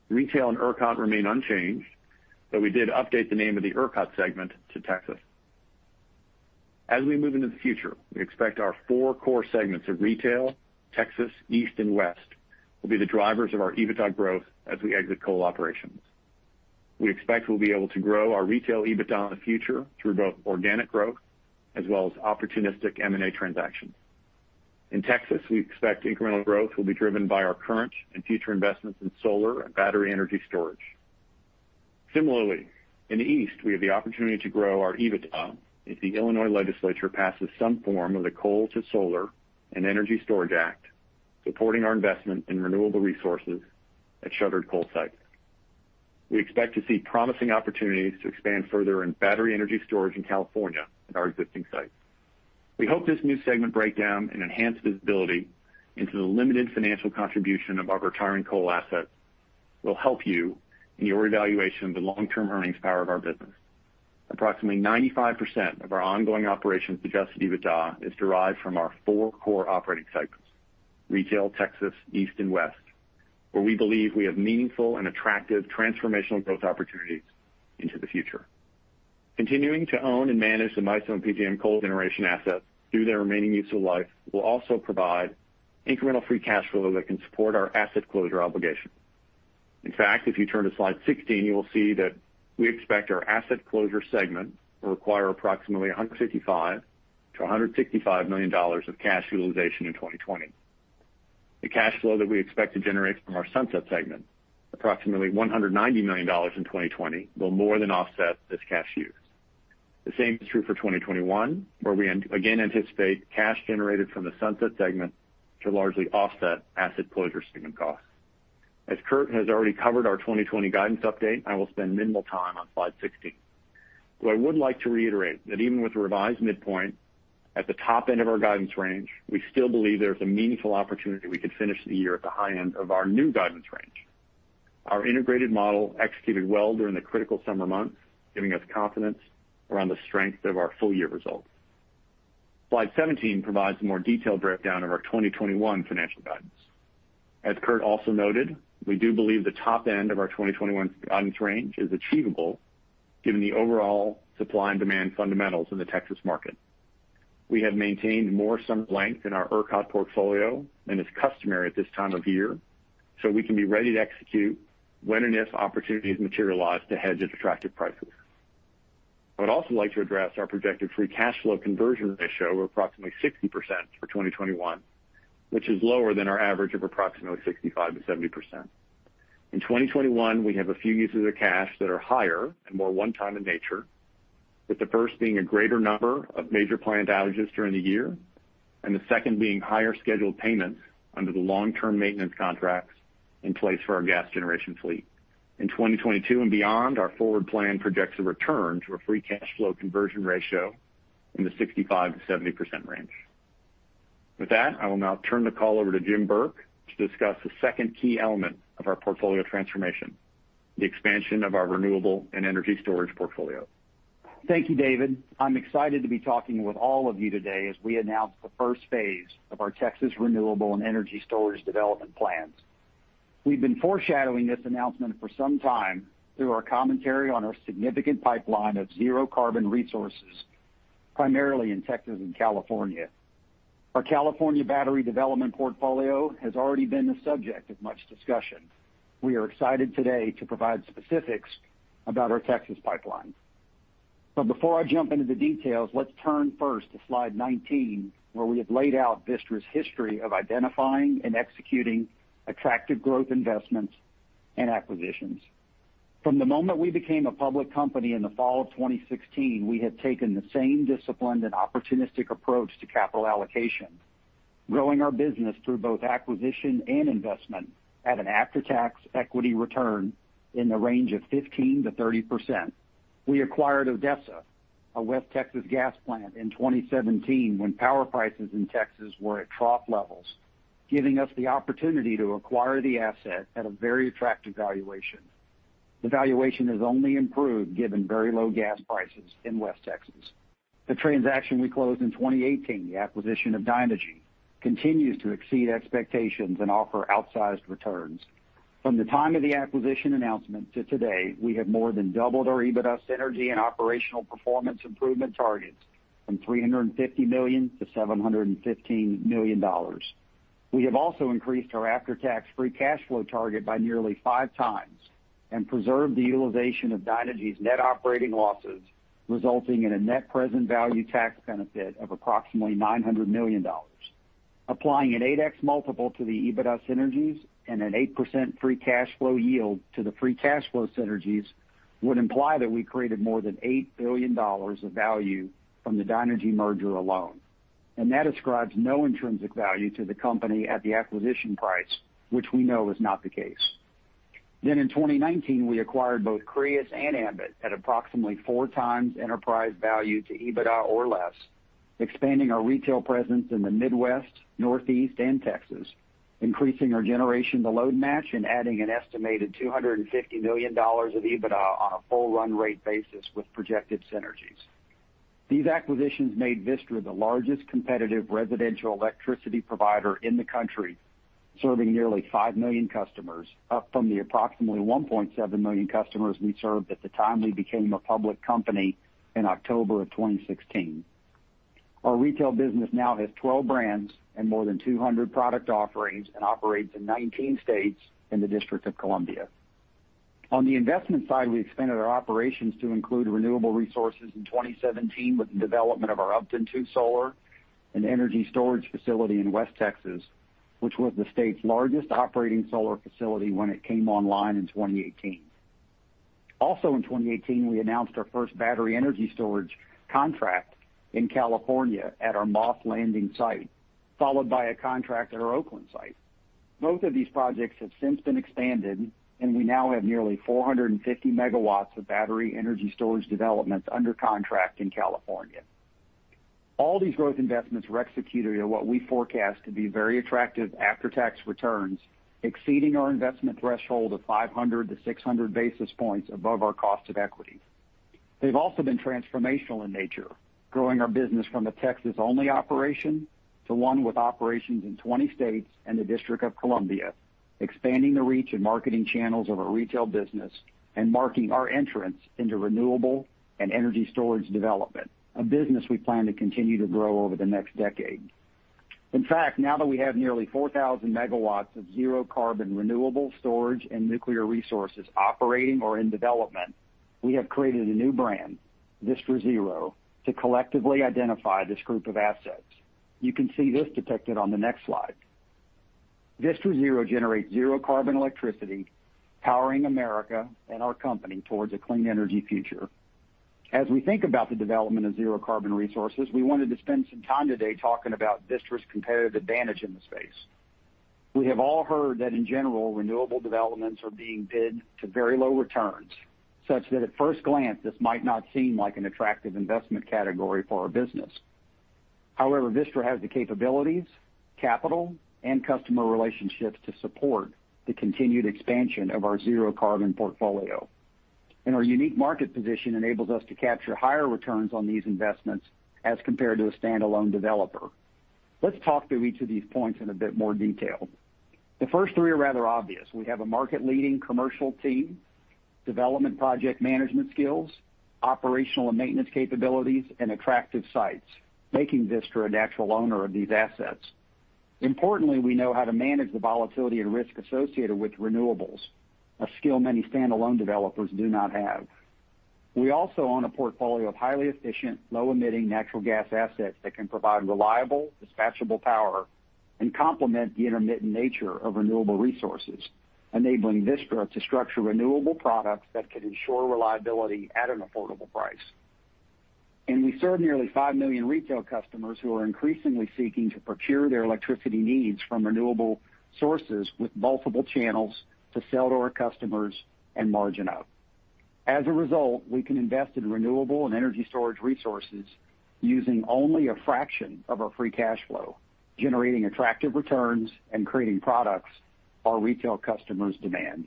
Retail and ERCOT remain unchanged, but we did update the name of the ERCOT segment to Texas. As we move into the future, we expect our four core segments of Retail, Texas, East, and West will be the drivers of our EBITDA growth as we exit coal operations. We expect we'll be able to grow our Retail EBITDA in the future through both organic growth as well as opportunistic M&A transactions. In Texas, we expect incremental growth will be driven by our current and future investments in solar and battery energy storage. Similarly, in the East, we have the opportunity to grow our EBITDA if the Illinois legislature passes some form of the Coal to Solar and Energy Storage Act, supporting our investment in renewable resources at shuttered coal sites. We expect to see promising opportunities to expand further in battery energy storage in California at our existing sites. We hope this new segment breakdown and enhanced visibility into the limited financial contribution of our retiring coal assets will help you in your evaluation of the long-term earnings power of our business. Approximately 95% of our ongoing operations adjusted EBITDA is derived from our four core operating sites, Retail, Texas, East, and West, where we believe we have meaningful and attractive transformational growth opportunities into the future. Continuing to own and manage the MISO and PJM coal generation assets through their remaining useful life will also provide incremental free cash flow that can support our asset closure obligations. If you turn to slide 16, you will see that we expect our asset closure segment will require approximately $155 million-$165 million of cash utilization in 2020. The cash flow that we expect to generate from our sunset segment, approximately $190 million in 2020, will more than offset this cash use. The same is true for 2021, where we again anticipate cash generated from the sunset segment to largely offset asset closure segment costs. As Curt has already covered our 2020 guidance update, I will spend minimal time on slide 16. I would like to reiterate that even with the revised midpoint at the top end of our guidance range, we still believe there is a meaningful opportunity we could finish the year at the high end of our new guidance range. Our integrated model executed well during the critical summer months, giving us confidence around the strength of our full-year results. Slide 17 provides a more detailed breakdown of our 2021 financial guidance. Curt also noted, we do believe the top end of our 2021 guidance range is achievable given the overall supply and demand fundamentals in the Texas market. We have maintained more summer length in our ERCOT portfolio than is customary at this time of year, so we can be ready to execute when and if opportunities materialize to hedge at attractive prices. I would also like to address our projected free cash flow conversion ratio of approximately 60% for 2021, which is lower than our average of approximately 65%-70%. In 2021, we have a few uses of cash that are higher and more one-time in nature, with the first being a greater number of major plant outages during the year, and the second being higher scheduled payments under the long-term maintenance contracts in place for our gas generation fleet. In 2022 and beyond, our forward plan projects a return to a free cash flow conversion ratio in the 65%-70% range. With that, I will now turn the call over to Jim Burke to discuss the second key element of our portfolio transformation, the expansion of our renewable and energy storage portfolio. Thank you, David. I'm excited to be talking with all of you today as we announce the first phase of our Texas renewable and energy storage development plans. We've been foreshadowing this announcement for some time through our commentary on our significant pipeline of zero carbon resources, primarily in Texas and California. Our California battery development portfolio has already been the subject of much discussion. We are excited today to provide specifics about our Texas pipeline. Before I jump into the details, let's turn first to slide 19, where we have laid out Vistra's history of identifying and executing attractive growth investments and acquisitions. From the moment we became a public company in the fall of 2016, we have taken the same disciplined and opportunistic approach to capital allocation, growing our business through both acquisition and investment at an after-tax equity return in the range of 15%-30%. We acquired Odessa, a West Texas gas plant, in 2017 when power prices in Texas were at trough levels, giving us the opportunity to acquire the asset at a very attractive valuation. The valuation has only improved given very low gas prices in West Texas. The transaction we closed in 2018, the acquisition of Dynegy, continues to exceed expectations and offer outsized returns. From the time of the acquisition announcement to today, we have more than doubled our EBITDA synergy and operational performance improvement targets from $350 million-$715 million. We have also increased our after-tax free cash flow target by nearly five times and preserved the utilization of Dynegy's net operating losses, resulting in a net present value tax benefit of approximately $900 million. Applying an 8x multiple to the EBITDA synergies and an 8% free cash flow yield to the free cash flow synergies would imply that we created more than $8 billion of value from the Dynegy merger alone. That ascribes no intrinsic value to the company at the acquisition price, which we know is not the case. In 2019, we acquired both Crius and Ambit at approximately four times enterprise value to EBITDA or less, expanding our retail presence in the Midwest, Northeast, and Texas, increasing our generation-to-load match, and adding an estimated $250 million of EBITDA on a full run rate basis with projected synergies. These acquisitions made Vistra the largest competitive residential electricity provider in the country, serving nearly five million customers, up from the approximately 1.7 million customers we served at the time we became a public company in October of 2016. Our retail business now has 12 brands and more than 200 product offerings and operates in 19 states and the District of Columbia. On the investment side, we expanded our operations to include renewable resources in 2017 with the development of our Upton II solar and energy storage facility in West Texas, which was the state's largest operating solar facility when it came online in 2018. Also in 2018, we announced our first battery energy storage contract in California at our Moss Landing site, followed by a contract at our Oakland site. Both of these projects have since been expanded, and we now have nearly 450 MW of battery energy storage developments under contract in California. All these growth investments were executed at what we forecast to be very attractive after-tax returns, exceeding our investment threshold of 500-600 basis points above our cost of equity. They've also been transformational in nature, growing our business from a Texas-only operation to one with operations in 20 states and the District of Columbia, expanding the reach and marketing channels of our retail business, and marking our entrance into renewable and energy storage development, a business we plan to continue to grow over the next decade. In fact, now that we have nearly 4,000 MW of zero carbon renewable storage and nuclear resources operating or in development, we have created a new brand, Vistra Zero, to collectively identify this group of assets. You can see this depicted on the next slide. Vistra Zero generates zero carbon electricity, powering America and our company towards a clean energy future. As we think about the development of zero carbon resources, we wanted to spend some time today talking about Vistra's competitive advantage in the space. We have all heard that in general, renewable developments are being bid to very low returns, such that at first glance, this might not seem like an attractive investment category for our business. However, Vistra has the capabilities, capital, and customer relationships to support the continued expansion of our zero carbon portfolio. Our unique market position enables us to capture higher returns on these investments as compared to a standalone developer. Let's talk through each of these points in a bit more detail. The first three are rather obvious. We have a market-leading commercial team, development project management skills, operational and maintenance capabilities, and attractive sites, making Vistra a natural owner of these assets. Importantly, we know how to manage the volatility and risk associated with renewables, a skill many standalone developers do not have. We also own a portfolio of highly efficient, low-emitting natural gas assets that can provide reliable, dispatchable power and complement the intermittent nature of renewable resources, enabling Vistra to structure renewable products that can ensure reliability at an affordable price. We serve nearly 5 million retail customers who are increasingly seeking to procure their electricity needs from renewable sources with multiple channels to sell to our customers and margin up. As a result, we can invest in renewable and energy storage resources using only a fraction of our free cash flow, generating attractive returns and creating products our retail customers demand.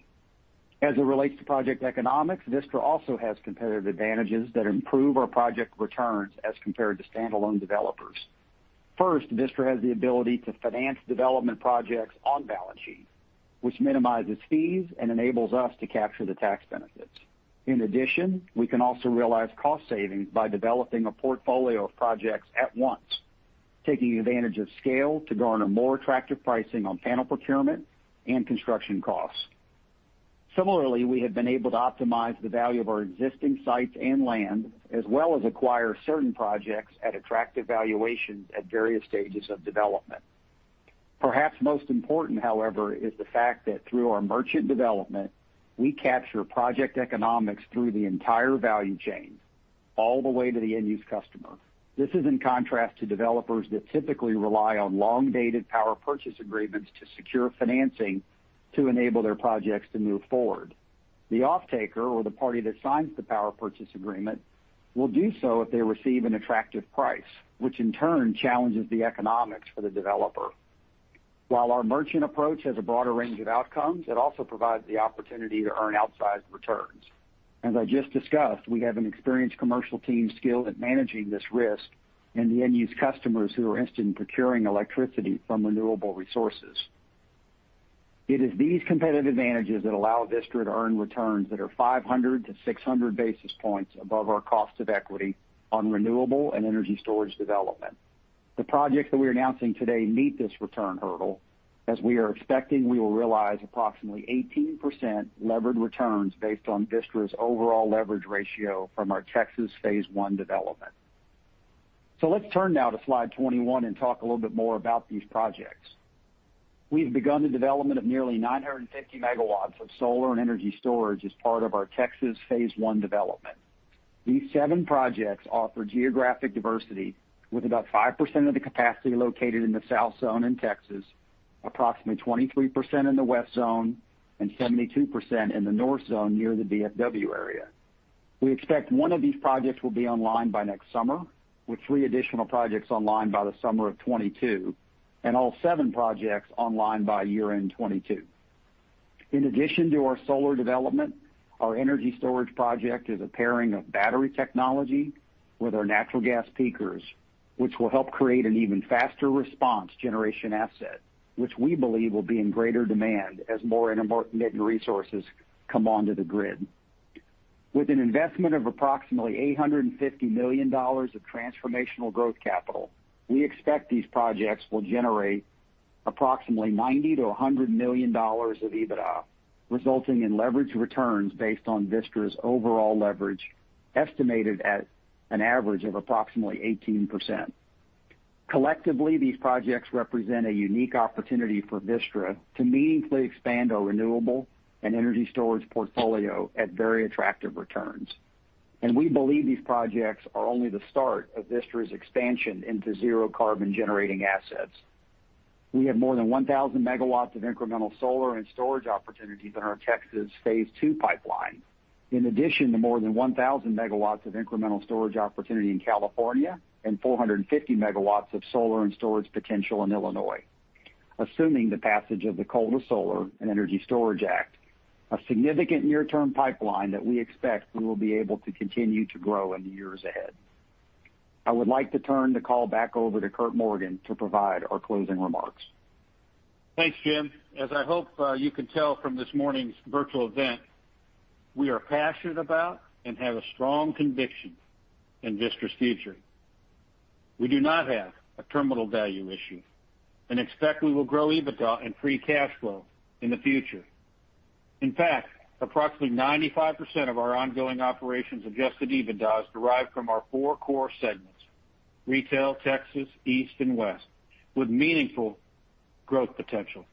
As it relates to project economics, Vistra also has competitive advantages that improve our project returns as compared to standalone developers. First, Vistra has the ability to finance development projects on balance sheet, which minimizes fees and enables us to capture the tax benefits. In addition, we can also realize cost savings by developing a portfolio of projects at once, taking advantage of scale to garner more attractive pricing on panel procurement and construction costs. Similarly, we have been able to optimize the value of our existing sites and land, as well as acquire certain projects at attractive valuations at various stages of development. Perhaps most important, however, is the fact that through our merchant development, we capture project economics through the entire value chain, all the way to the end-use customer. This is in contrast to developers that typically rely on long-dated power purchase agreements to secure financing to enable their projects to move forward. The offtaker or the party that signs the power purchase agreement will do so if they receive an attractive price, which in turn challenges the economics for the developer. While our merchant approach has a broader range of outcomes, it also provides the opportunity to earn outsized returns. As I just discussed, we have an experienced commercial team skilled at managing this risk and the end-use customers who are interested in procuring electricity from renewable resources. It is these competitive advantages that allow Vistra to earn returns that are 500-600 basis points above our cost of equity on renewable and energy storage development. The projects that we're announcing today meet this return hurdle, as we are expecting we will realize approximately 18% levered returns based on Vistra's overall leverage ratio from our Texas phase I development. Let's turn now to slide 21 and talk a little bit more about these projects. We've begun the development of nearly 950 MW of solar and energy storage as part of our Texas phase I development. These seven projects offer geographic diversity with about 5% of the capacity located in the South Zone in Texas, approximately 23% in the West Zone, and 72% in the North Zone near the DFW area. We expect one of these projects will be online by next summer, with three additional projects online by the summer of 2022, and all seven projects online by year-end 2022. In addition to our solar development, our energy storage project is a pairing of battery technology with our natural gas peakers, which will help create an even faster response generation asset, which we believe will be in greater demand as more intermittent resources come onto the grid. With an investment of approximately $850 million of transformational growth capital, we expect these projects will generate approximately $90 million- $100 million of EBITDA, resulting in leverage returns based on Vistra's overall leverage, estimated at an average of approximately 18%. Collectively, these projects represent a unique opportunity for Vistra to meaningfully expand our renewable and energy storage portfolio at very attractive returns. We believe these projects are only the start of Vistra's expansion into zero carbon generating assets. We have more than 1,000 MW of incremental solar and storage opportunities in our Texas Phase II pipeline. In addition to more than 1,000 MW of incremental storage opportunity in California and 450 MW of solar and storage potential in Illinois. Assuming the passage of the Coal to Solar and Energy Storage Act, a significant near-term pipeline that we expect we will be able to continue to grow in the years ahead. I would like to turn the call back over to Curt Morgan to provide our closing remarks. Thanks, Jim. As I hope you can tell from this morning's virtual event, we are passionate about and have a strong conviction in Vistra's future. We do not have a terminal value issue and expect we will grow EBITDA and free cash flow in the future. In fact, approximately 95% of our ongoing operations adjusted EBITDA is derived from our four core segments: retail, Texas, East, and West, with meaningful growth potential.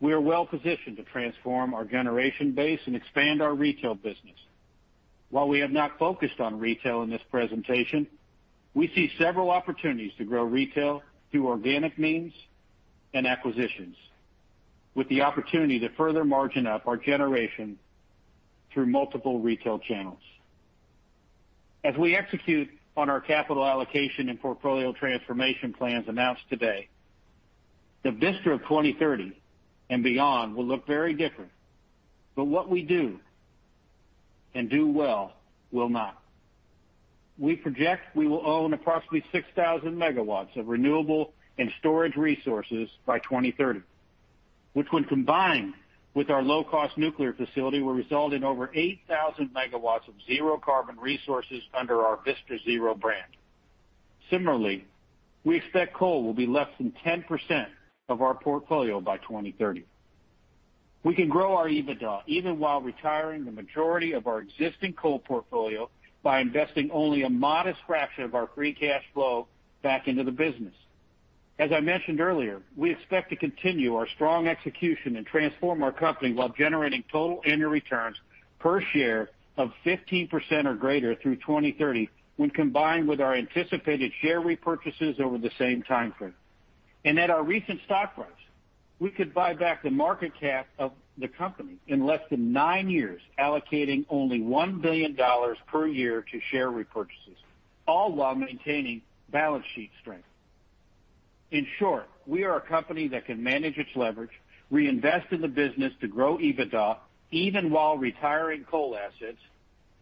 We are well-positioned to transform our generation base and expand our retail business. While we have not focused on retail in this presentation, we see several opportunities to grow retail through organic means and acquisitions, with the opportunity to further margin up our generation through multiple retail channels. As we execute on our capital allocation and portfolio transformation plans announced today, the Vistra of 2030 and beyond will look very different. What we do and do well will not. We project we will own approximately 6,000 MW of renewable and storage resources by 2030, which when combined with our low-cost nuclear facility, will result in over 8,000 MW of zero carbon resources under our Vistra Zero brand. Similarly, we expect coal will be less than 10% of our portfolio by 2030. We can grow our EBITDA even while retiring the majority of our existing coal portfolio by investing only a modest fraction of our free cash flow back into the business. As I mentioned earlier, we expect to continue our strong execution and transform our company while generating total annual returns per share of 15% or greater through 2030, when combined with our anticipated share repurchases over the same time frame. At our recent stock price, we could buy back the market cap of the company in less than nine years, allocating only $1 billion per year to share repurchases, all while maintaining balance sheet strength. In short, we are a company that can manage its leverage, reinvest in the business to grow EBITDA, even while retiring coal assets,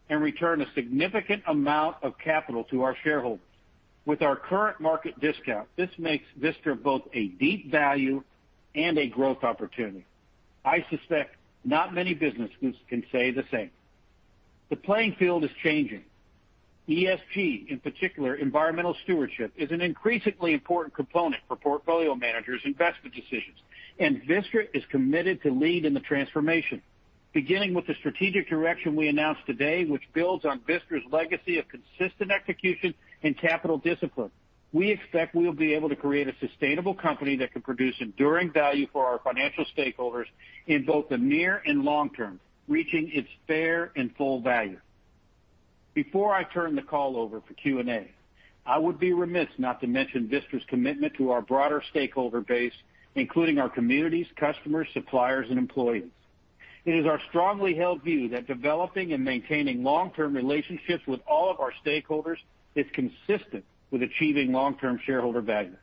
and return a significant amount of capital to our shareholders. With our current market discount, this makes Vistra both a deep value and a growth opportunity. I suspect not many businesses can say the same. The playing field is changing. ESG, in particular, environmental stewardship, is an increasingly important component for portfolio managers' investment decisions, and Vistra is committed to lead in the transformation. Beginning with the strategic direction we announced today, which builds on Vistra's legacy of consistent execution and capital discipline, we expect we'll be able to create a sustainable company that can produce enduring value for our financial stakeholders in both the near and long term, reaching its fair and full value. Before I turn the call over for Q&A, I would be remiss not to mention Vistra's commitment to our broader stakeholder base, including our communities, customers, suppliers, and employees. It is our strongly held view that developing and maintaining long-term relationships with all of our stakeholders is consistent with achieving long-term shareholder value.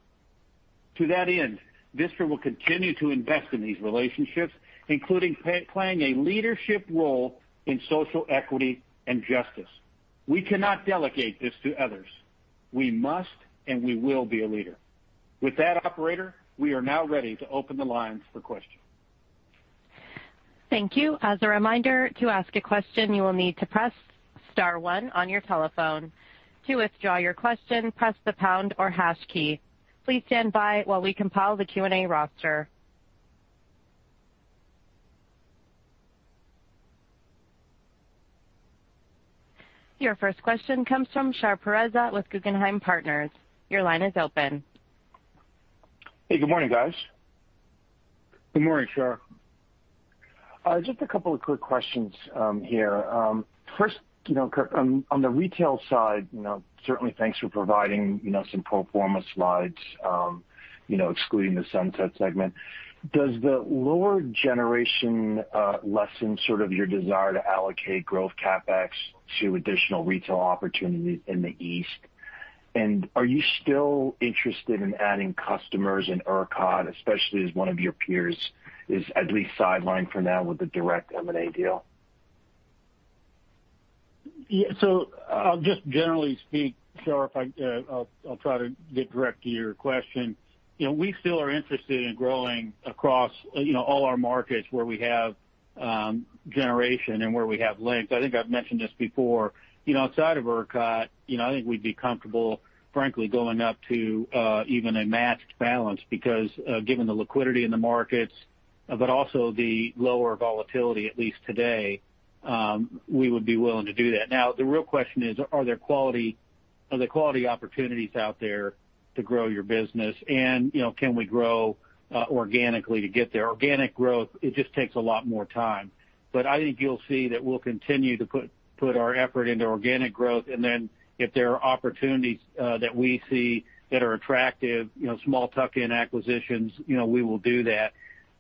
To that end, Vistra will continue to invest in these relationships, including playing a leadership role in social equity and justice. We cannot delegate this to others. We must, and we will be a leader. With that, operator, we are now ready to open the lines for questions. Thank you. Your first question comes from Shar Pourreza with Guggenheim Partners. Your line is open. Hey, good morning, guys. Good morning, Shar. Just a couple of quick questions here. First, Curt, on the retail side, certainly thanks for providing some pro forma slides excluding the sunset segment. Does the lower generation lessen sort of your desire to allocate growth CapEx to additional retail opportunities in the East? Are you still interested in adding customers in ERCOT, especially as one of your peers is at least sidelined for now with the direct M&A deal? Yeah. I'll just generally speak, Shar, I'll try to get direct to your question. We still are interested in growing across all our markets where we have generation and where we have links. I think I've mentioned this before. Outside of ERCOT, I think we'd be comfortable, frankly, going up to even a matched balance because given the liquidity in the markets, but also the lower volatility, at least today, we would be willing to do that. Now, the real question is: Are there quality opportunities out there to grow your business? Can we grow organically to get there? Organic growth, it just takes a lot more time. I think you'll see that we'll continue to put our effort into organic growth, and then if there are opportunities that we see that are attractive, small tuck-in acquisitions, we will do that.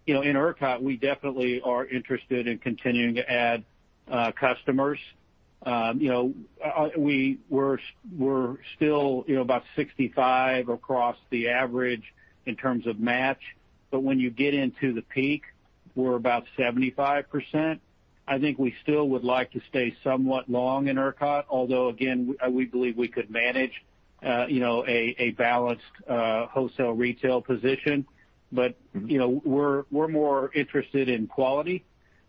In ERCOT, we definitely are interested in continuing to add customers. We're still about 65 across the average in terms of match. When you get into the peak, we're about 75%. I think we still would like to stay somewhat long in ERCOT, although again, we believe we could manage a balanced wholesale retail position. We're more interested in quality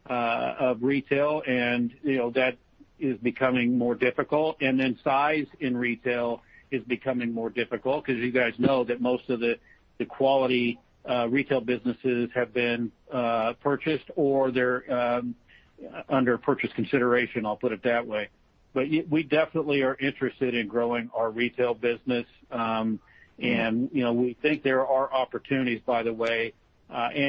of retail, and that is becoming more difficult. Then size in retail is becoming more difficult because you guys know that most of the quality retail businesses have been purchased or they're under purchase consideration, I'll put it that way. We definitely are interested in growing our retail business. We think there are opportunities, by the way.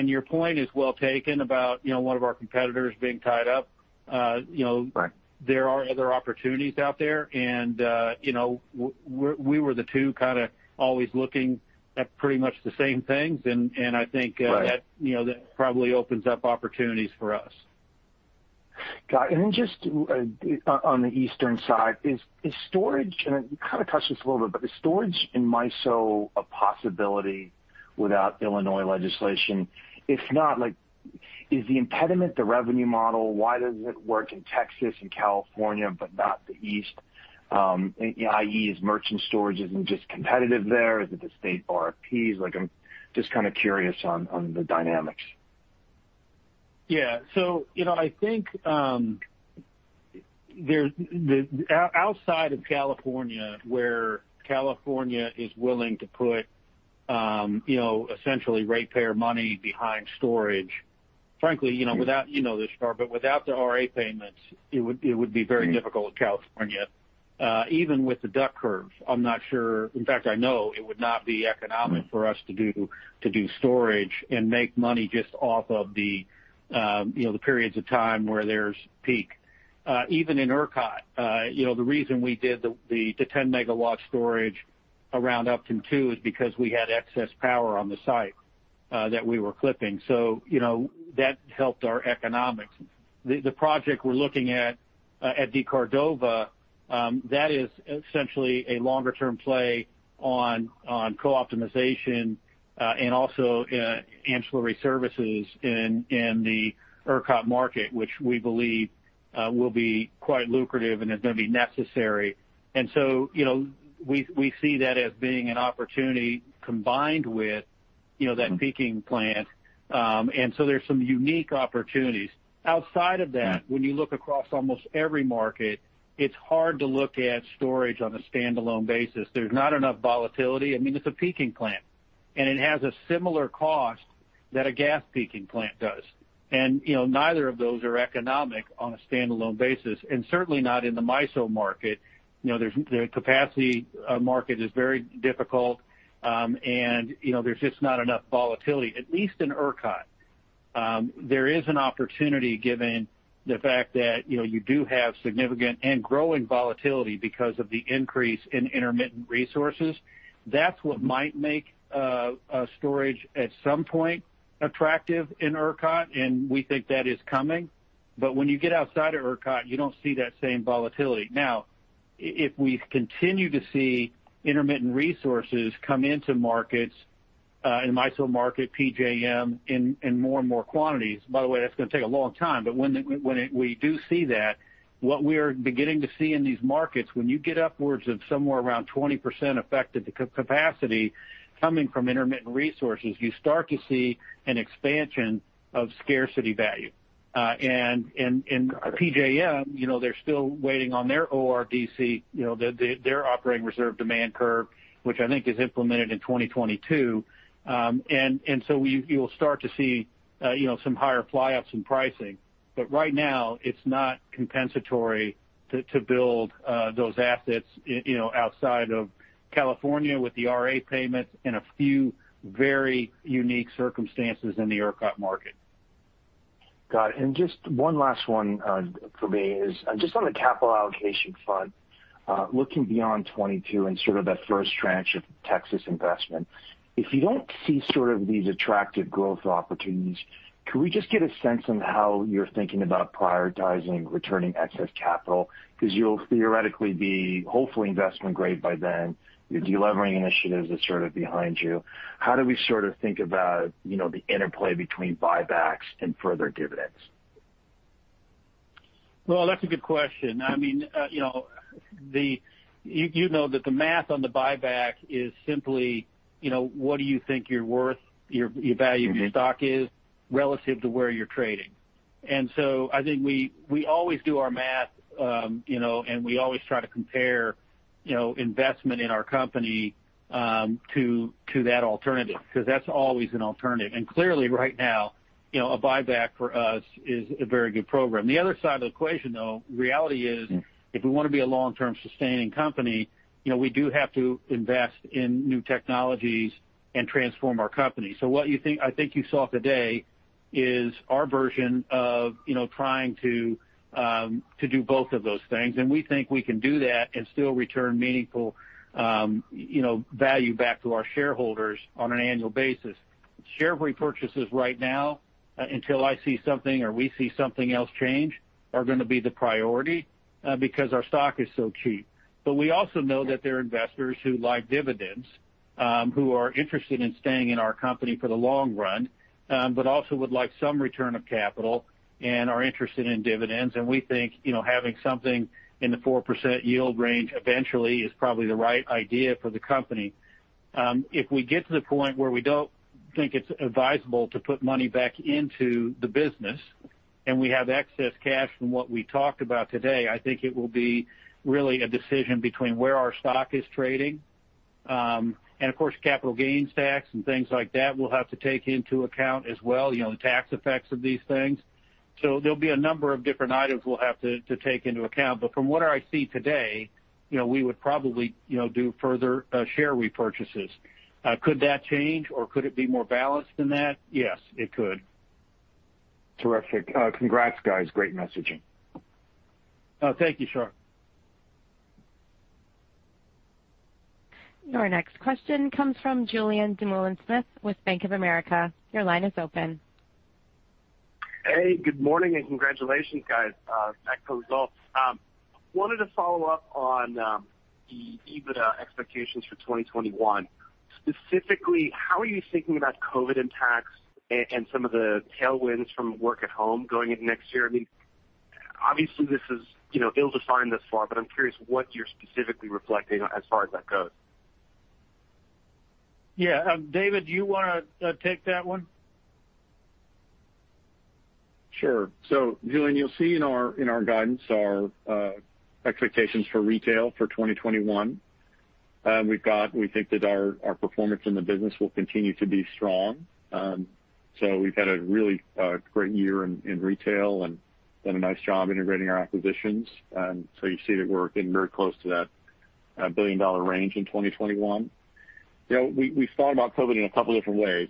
Your point is well taken about one of our competitors being tied up. Right. There are other opportunities out there, and we were the two kind of always looking at pretty much the same things. Right. I think that probably opens up opportunities for us. Got it. Just on the Eastern side, and you kind of touched this a little bit, but is storage in MISO a possibility without Illinois legislation? If not, is the impediment the revenue model? Why does it work in Texas and California, but not the East? I.e., merchant storage isn't just competitive there? Is it the state RFPs? I'm just curious on the dynamics. Yeah. I think outside of California, where California is willing to put essentially ratepayer money behind storage, frankly, you know this, Shar, but without the RA payments, it would be very difficult in California. Even with the duck curve, I'm not sure, in fact, I know it would not be economic for us to do storage and make money just off of the periods of time where there's peak. Even in ERCOT, the reason we did the 10 MW storage around Upton 2 is because we had excess power on the site that we were clipping. That helped our economics. The project we're looking at DeCordova, that is essentially a longer-term play on co-optimization, and also ancillary services in the ERCOT market, which we believe will be quite lucrative and is going to be necessary. We see that as being an opportunity combined with that peaking plant. There's some unique opportunities. Outside of that, when you look across almost every market, it's hard to look at storage on a standalone basis. There's not enough volatility. I mean, it's a peaking plant, and it has a similar cost that a gas peaking plant does. Neither of those are economic on a standalone basis, and certainly not in the MISO market. The capacity market is very difficult. There's just not enough volatility, at least in ERCOT. There is an opportunity given the fact that you do have significant and growing volatility because of the increase in intermittent resources. That's what might make storage at some point attractive in ERCOT, and we think that is coming. When you get outside of ERCOT, you don't see that same volatility. If we continue to see intermittent resources come into markets, in the MISO market, PJM, in more and more quantities, by the way, that's going to take a long time, but when we do see that, what we are beginning to see in these markets, when you get upwards of somewhere around 20% effect of the capacity coming from intermittent resources, you start to see an expansion of scarcity value. In PJM, they're still waiting on their ORDC, their Operating Reserve Demand Curve, which I think is implemented in 2022. You'll start to see some higher fly-ups in pricing. Right now, it's not compensatory to build those assets outside of California with the RA payments in a few very unique circumstances in the ERCOT market. Got it. Just one last one for me is just on the capital allocation front, looking beyond 2022 and sort of that first tranche of Texas investment. If you don't see these attractive growth opportunities, could we just get a sense on how you're thinking about prioritizing returning excess capital? You'll theoretically be hopefully investment-grade by then. Your de-levering initiatives are sort of behind you. How do we think about the interplay between buybacks and further dividends? Well, that's a good question. You know that the math on the buyback is simply what do you think your value of your stock is relative to where you're trading. I think we always do our math, and we always try to compare investment in our company to that alternative because that's always an alternative. Clearly right now, a buyback for us is a very good program. The other side of the equation, though, reality is if we want to be a long-term sustaining company, we do have to invest in new technologies and transform our company. What I think you saw today is our version of trying to do both of those things, and we think we can do that and still return meaningful value back to our shareholders on an annual basis. Share repurchases right now, until I see something or we see something else change, are going to be the priority because our stock is so cheap. We also know that there are investors who like dividends, who are interested in staying in our company for the long run, but also would like some return of capital and are interested in dividends. We think having something in the 4% yield range eventually is probably the right idea for the company. If we get to the point where we don't think it's advisable to put money back into the business and we have excess cash from what we talked about today, I think it will be really a decision between where our stock is trading. Of course, capital gains tax and things like that we'll have to take into account as well, the tax effects of these things. There'll be a number of different items we'll have to take into account. From what I see today, we would probably do further share repurchases. Could that change, or could it be more balanced than that? Yes, it could. Terrific. Congrats, guys. Great messaging. Thank you, Shar. Your next question comes from Julien Dumoulin-Smith with Bank of America. Your line is open. Hey, good morning. Congratulations, guys, on that result. Wanted to follow up on the EBITDA expectations for 2021. Specifically, how are you thinking about COVID impacts and some of the tailwinds from work at home going into next year? Obviously, this is ill-defined thus far. I'm curious what you're specifically reflecting on as far as that goes. Yeah. David, do you want to take that one? Sure. Julien, you'll see in our guidance, our expectations for retail for 2021. We think that our performance in the business will continue to be strong. We've had a really great year in retail and done a nice job integrating our acquisitions. You see that we're getting very close to that billion-dollar range in 2021. We thought about COVID-19 in a couple different ways.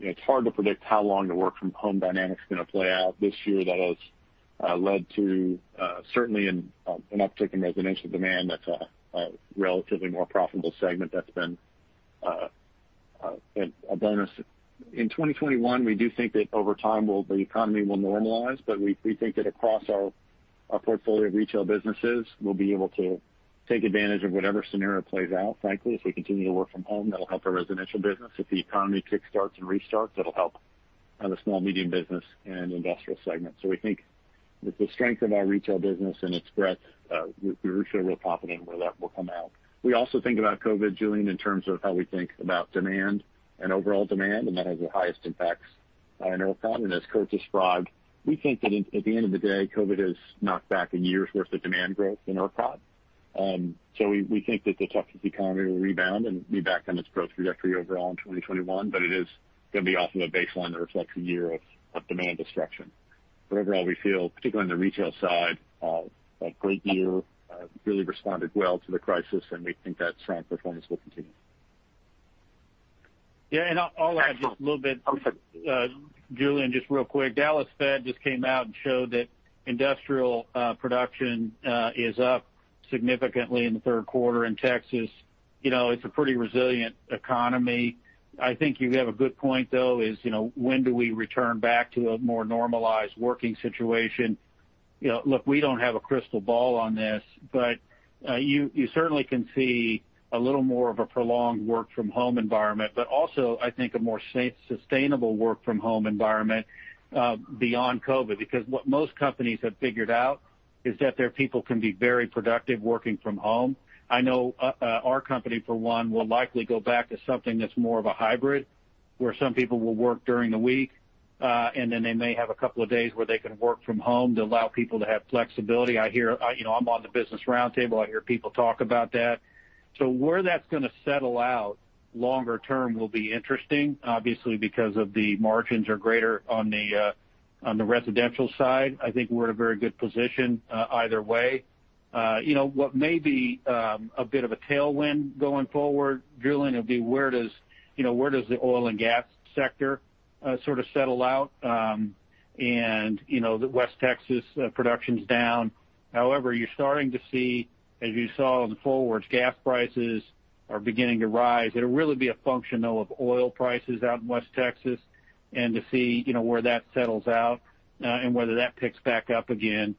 It's hard to predict how long the work-from-home dynamic is going to play out this year that has led to certainly an uptick in residential demand that's a relatively more profitable segment that's been a bonus. In 2021, we do think that over time the economy will normalize, but we think that across our portfolio of retail businesses, we'll be able to take advantage of whatever scenario plays out. Frankly, if we continue to work from home, that'll help our residential business. If the economy kick-starts and restarts, that'll help the small medium business and industrial segment. We think with the strength of our retail business and its breadth, we're sure we'll pop it and where that will come out. We also think about COVID, Julien, in terms of how we think about demand and overall demand, and that has the highest impacts on our economy. As Curt just flagged, we think that at the end of the day, COVID has knocked back a year's worth of demand growth in our [prod]. We think that the Texas economy will rebound and be back on its growth trajectory overall in 2021, but it is going to be off of a baseline or reflection year of demand destruction. Overall, we feel, particularly on the retail side, a great year, really responded well to the crisis, and we think that strong performance will continue. Yeah, I'll add just a little bit. Oh, sure. Julien, just real quick. Dallas Fed just came out and showed that industrial production is up significantly in the third quarter in Texas. It's a pretty resilient economy. I think you have a good point, though, is when do we return back to a more normalized working situation? Look, we don't have a crystal ball on this, but you certainly can see a little more of a prolonged work-from-home environment, but also I think a more sustainable work-from-home environment beyond COVID. What most companies have figured out is that their people can be very productive working from home. I know our company, for one, will likely go back to something that's more of a hybrid, where some people will work during the week, and then they may have a couple of days where they can work from home to allow people to have flexibility. I'm on the Business Roundtable, I hear people talk about that. Where that's going to settle out longer term will be interesting. Obviously, because of the margins are greater on the residential side. I think we're in a very good position either way. What may be a bit of a tailwind going forward, Julien, will be where does the oil and gas sector sort of settle out? The West Texas production's down. However, you're starting to see, as you saw in the forwards, gas prices are beginning to rise. It'll really be a function, though, of oil prices out in West Texas and to see where that settles out and whether that picks back up again.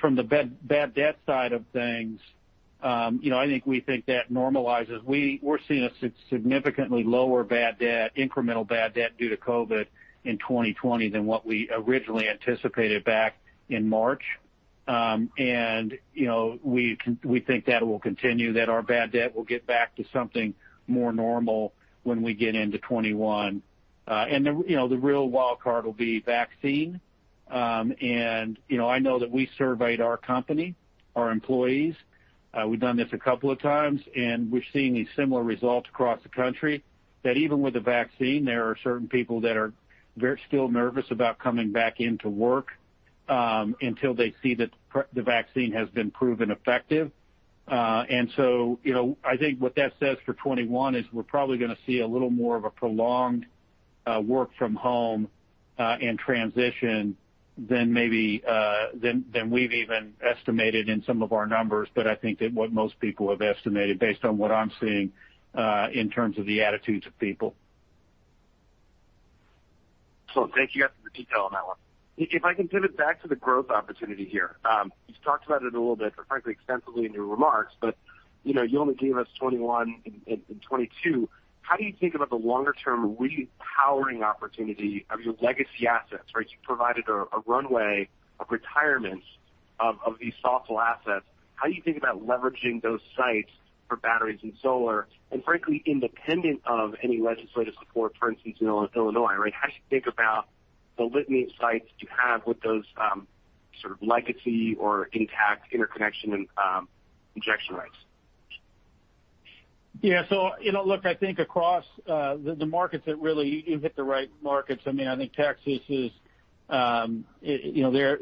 From the bad debt side of things, I think we think that normalizes. We're seeing a significantly lower incremental bad debt due to COVID in 2020 than what we originally anticipated back in March. We think that will continue, that our bad debt will get back to something more normal when we get into 2021. The real wild card will be vaccine. I know that we surveyed our company, our employees. We've done this a couple of times, and we're seeing these similar results across the country, that even with the vaccine, there are certain people that are still nervous about coming back into work until they see that the vaccine has been proven effective. I think what that says for 2021 is we're probably going to see a little more of a prolonged work from home and transition than we've even estimated in some of our numbers. I think that what most people have estimated based on what I'm seeing in terms of the attitudes of people. Thank you for the detail on that one. If I can pivot back to the growth opportunity here. You've talked about it a little bit, frankly, extensively in your remarks, but you only gave us 2021 and 2022. How do you think about the longer-term repowering opportunity of your legacy assets, right? You provided a runway of retirements of these [soft law] assets. How do you think about leveraging those sites for batteries and solar? Frankly, independent of any legislative support, for instance, in Illinois, right? How do you think about the litany of sites that you have with those sort of legacy or intact interconnection and injection rates? Yeah. Look, I think across the markets that really you hit the right markets. I think Texas is-- There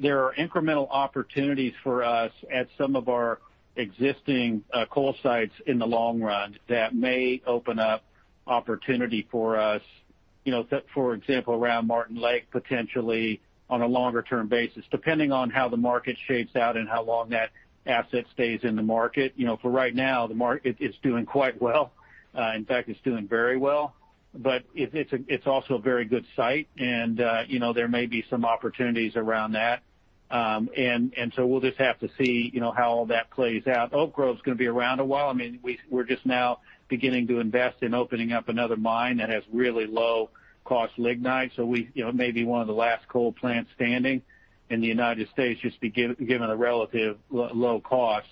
are incremental opportunities for us at some of our existing coal sites in the long run that may open up opportunity for us. For example, around Martin Lake, potentially on a longer-term basis, depending on how the market shapes out and how long that asset stays in the market. For right now, the market is doing quite well. In fact, it's doing very well. It's also a very good site, and there may be some opportunities around that. We'll just have to see how all that plays out. Oak Grove's going to be around a while. We're just now beginning to invest in opening up another mine that has really low-cost lignite. We may be one of the last coal plants standing in the U.S., just given the relative low cost.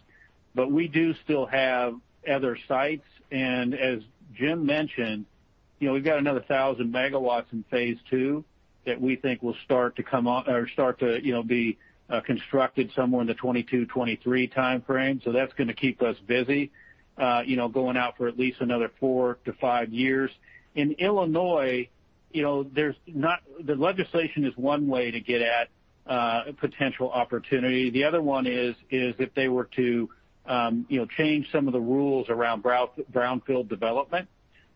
We do still have other sites, and as Jim mentioned, we've got another 1,000 MW in phase II that we think will start to be constructed somewhere in the 2022, 2023 timeframe. That's going to keep us busy going out for at least another four to five years. In Illinois, the legislation is one way to get at a potential opportunity. The other one is if they were to change some of the rules around brownfield development.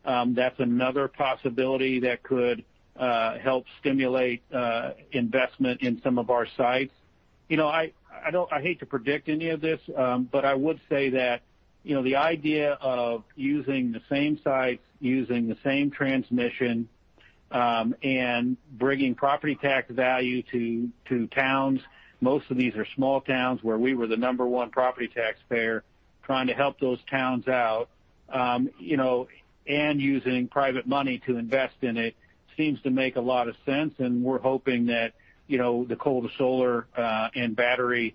That's another possibility that could help stimulate investment in some of our sites. I hate to predict any of this, I would say that the idea of using the same sites, using the same transmission, and bringing property tax value to towns, most of these are small towns where we were the number 1 property taxpayer trying to help those towns out, and using private money to invest in it seems to make a lot of sense. We're hoping that the Coal to Solar and Energy Storage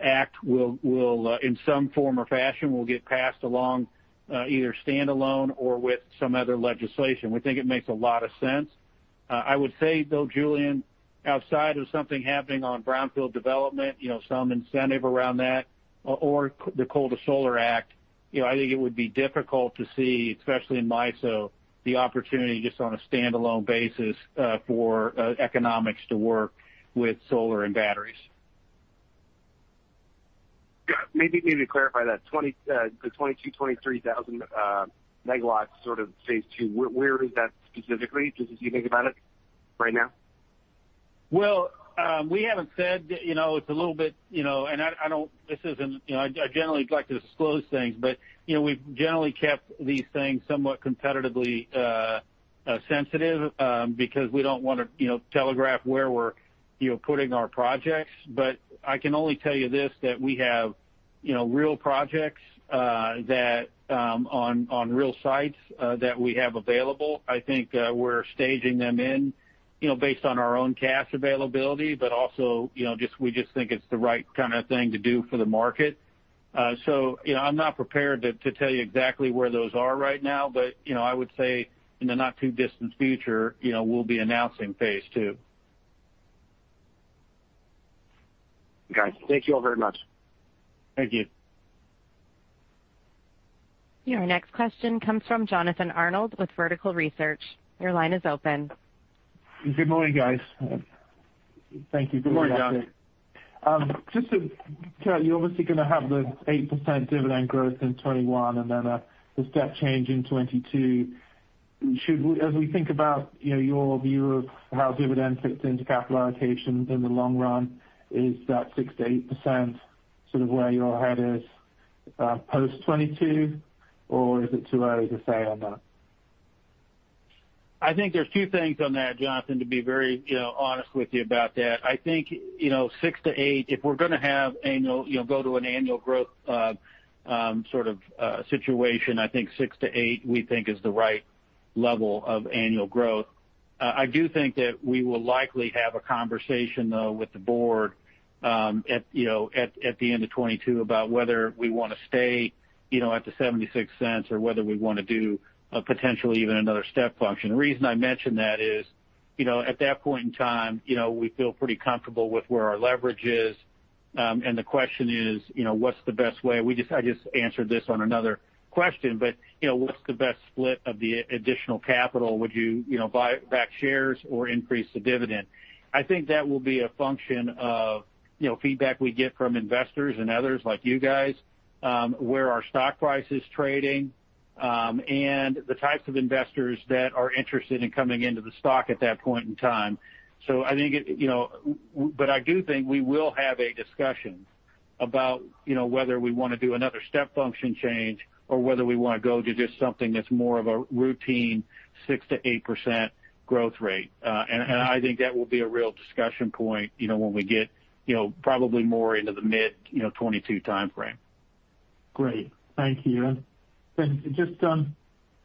Act will, in some form or fashion, get passed along, either standalone or with some other legislation. We think it makes a lot of sense. I would say, though, Julien, outside of something happening on brownfield development, some incentive around that or the Coal to Solar Act, I think it would be difficult to see, especially in MISO, the opportunity just on a standalone basis for economics to work with solar and batteries. Maybe to clarify that. The 22,000MW-23,000 MW sort of phase II, where is that specifically as you think about it right now? Well, we haven't said. I generally like to disclose things, we've generally kept these things somewhat competitively sensitive because we don't want to telegraph where we're putting our projects. I can only tell you this, that we have real projects on real sites that we have available. I think we're staging them in based on our own cash availability. Also, we just think it's the right kind of thing to do for the market. I'm not prepared to tell you exactly where those are right now. I would say in the not-too-distant future, we'll be announcing phase II. Okay. Thank you all very much. Thank you. Your next question comes from Jonathan Arnold with Vertical Research. Your line is open. Good morning, guys. Thank you. Good morning, Jonathan. Just to be clear, you're obviously going to have the 8% dividend growth in 2021, and then the step change in 2022. As we think about your view of how dividend fits into capital allocation in the long run, is that 6%-8% sort of where your head is post 2022, or is it too early to say on that? I think there's two things on that, Jonathan, to be very honest with you about that. I think 6%-8%, if we're going to go to an annual growth sort of situation, I think 6%-8% we think is the right level of annual growth. I do think that we will likely have a conversation, though, with the board at the end of 2022 about whether we want to stay at the $0.76 or whether we want to do a potential even another step function. The reason I mention that is, at that point in time, we feel pretty comfortable with where our leverage is. The question is, what's the best way? I just answered this on another question, what's the best split of the additional capital? Would you buy back shares or increase the dividend? I think that will be a function of feedback we get from investors and others like you guys, where our stock price is trading, and the types of investors that are interested in coming into the stock at that point in time. I do think we will have a discussion about whether we want to do another step function change or whether we want to go to just something that's more of a routine 6%-8% growth rate. I think that will be a real discussion point when we get probably more into the mid 2022 timeframe. Great. Thank you. Just on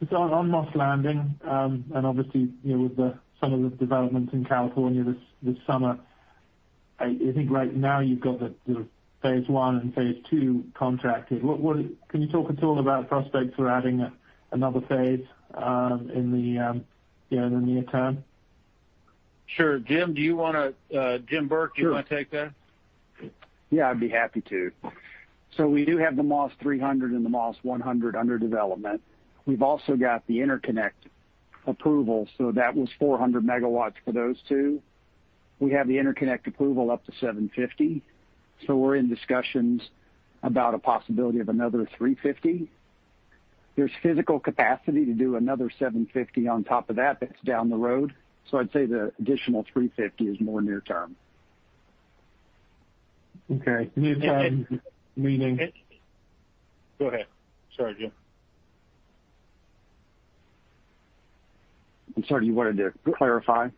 Moss Landing, and obviously with some of the developments in California this summer, I think right now you've got the phase I and phase II contracted. Can you talk at all about prospects for adding another phase in the near term? Sure. Jim Burke. Sure. Do you want to take that? Yeah, I'd be happy to. We do have the Moss Landing and the Moss 100 under development. We've also got the interconnect approval, so that was 400 MW for those two. We have the interconnect approval up to 750. We're in discussions about a possibility of another 350. There's physical capacity to do another 750 on top of that, but it's down the road. I'd say the additional 350 is more near-term. Okay. Near term meaning? Go ahead. Sorry, Jim. I'm sorry, you wanted to clarify?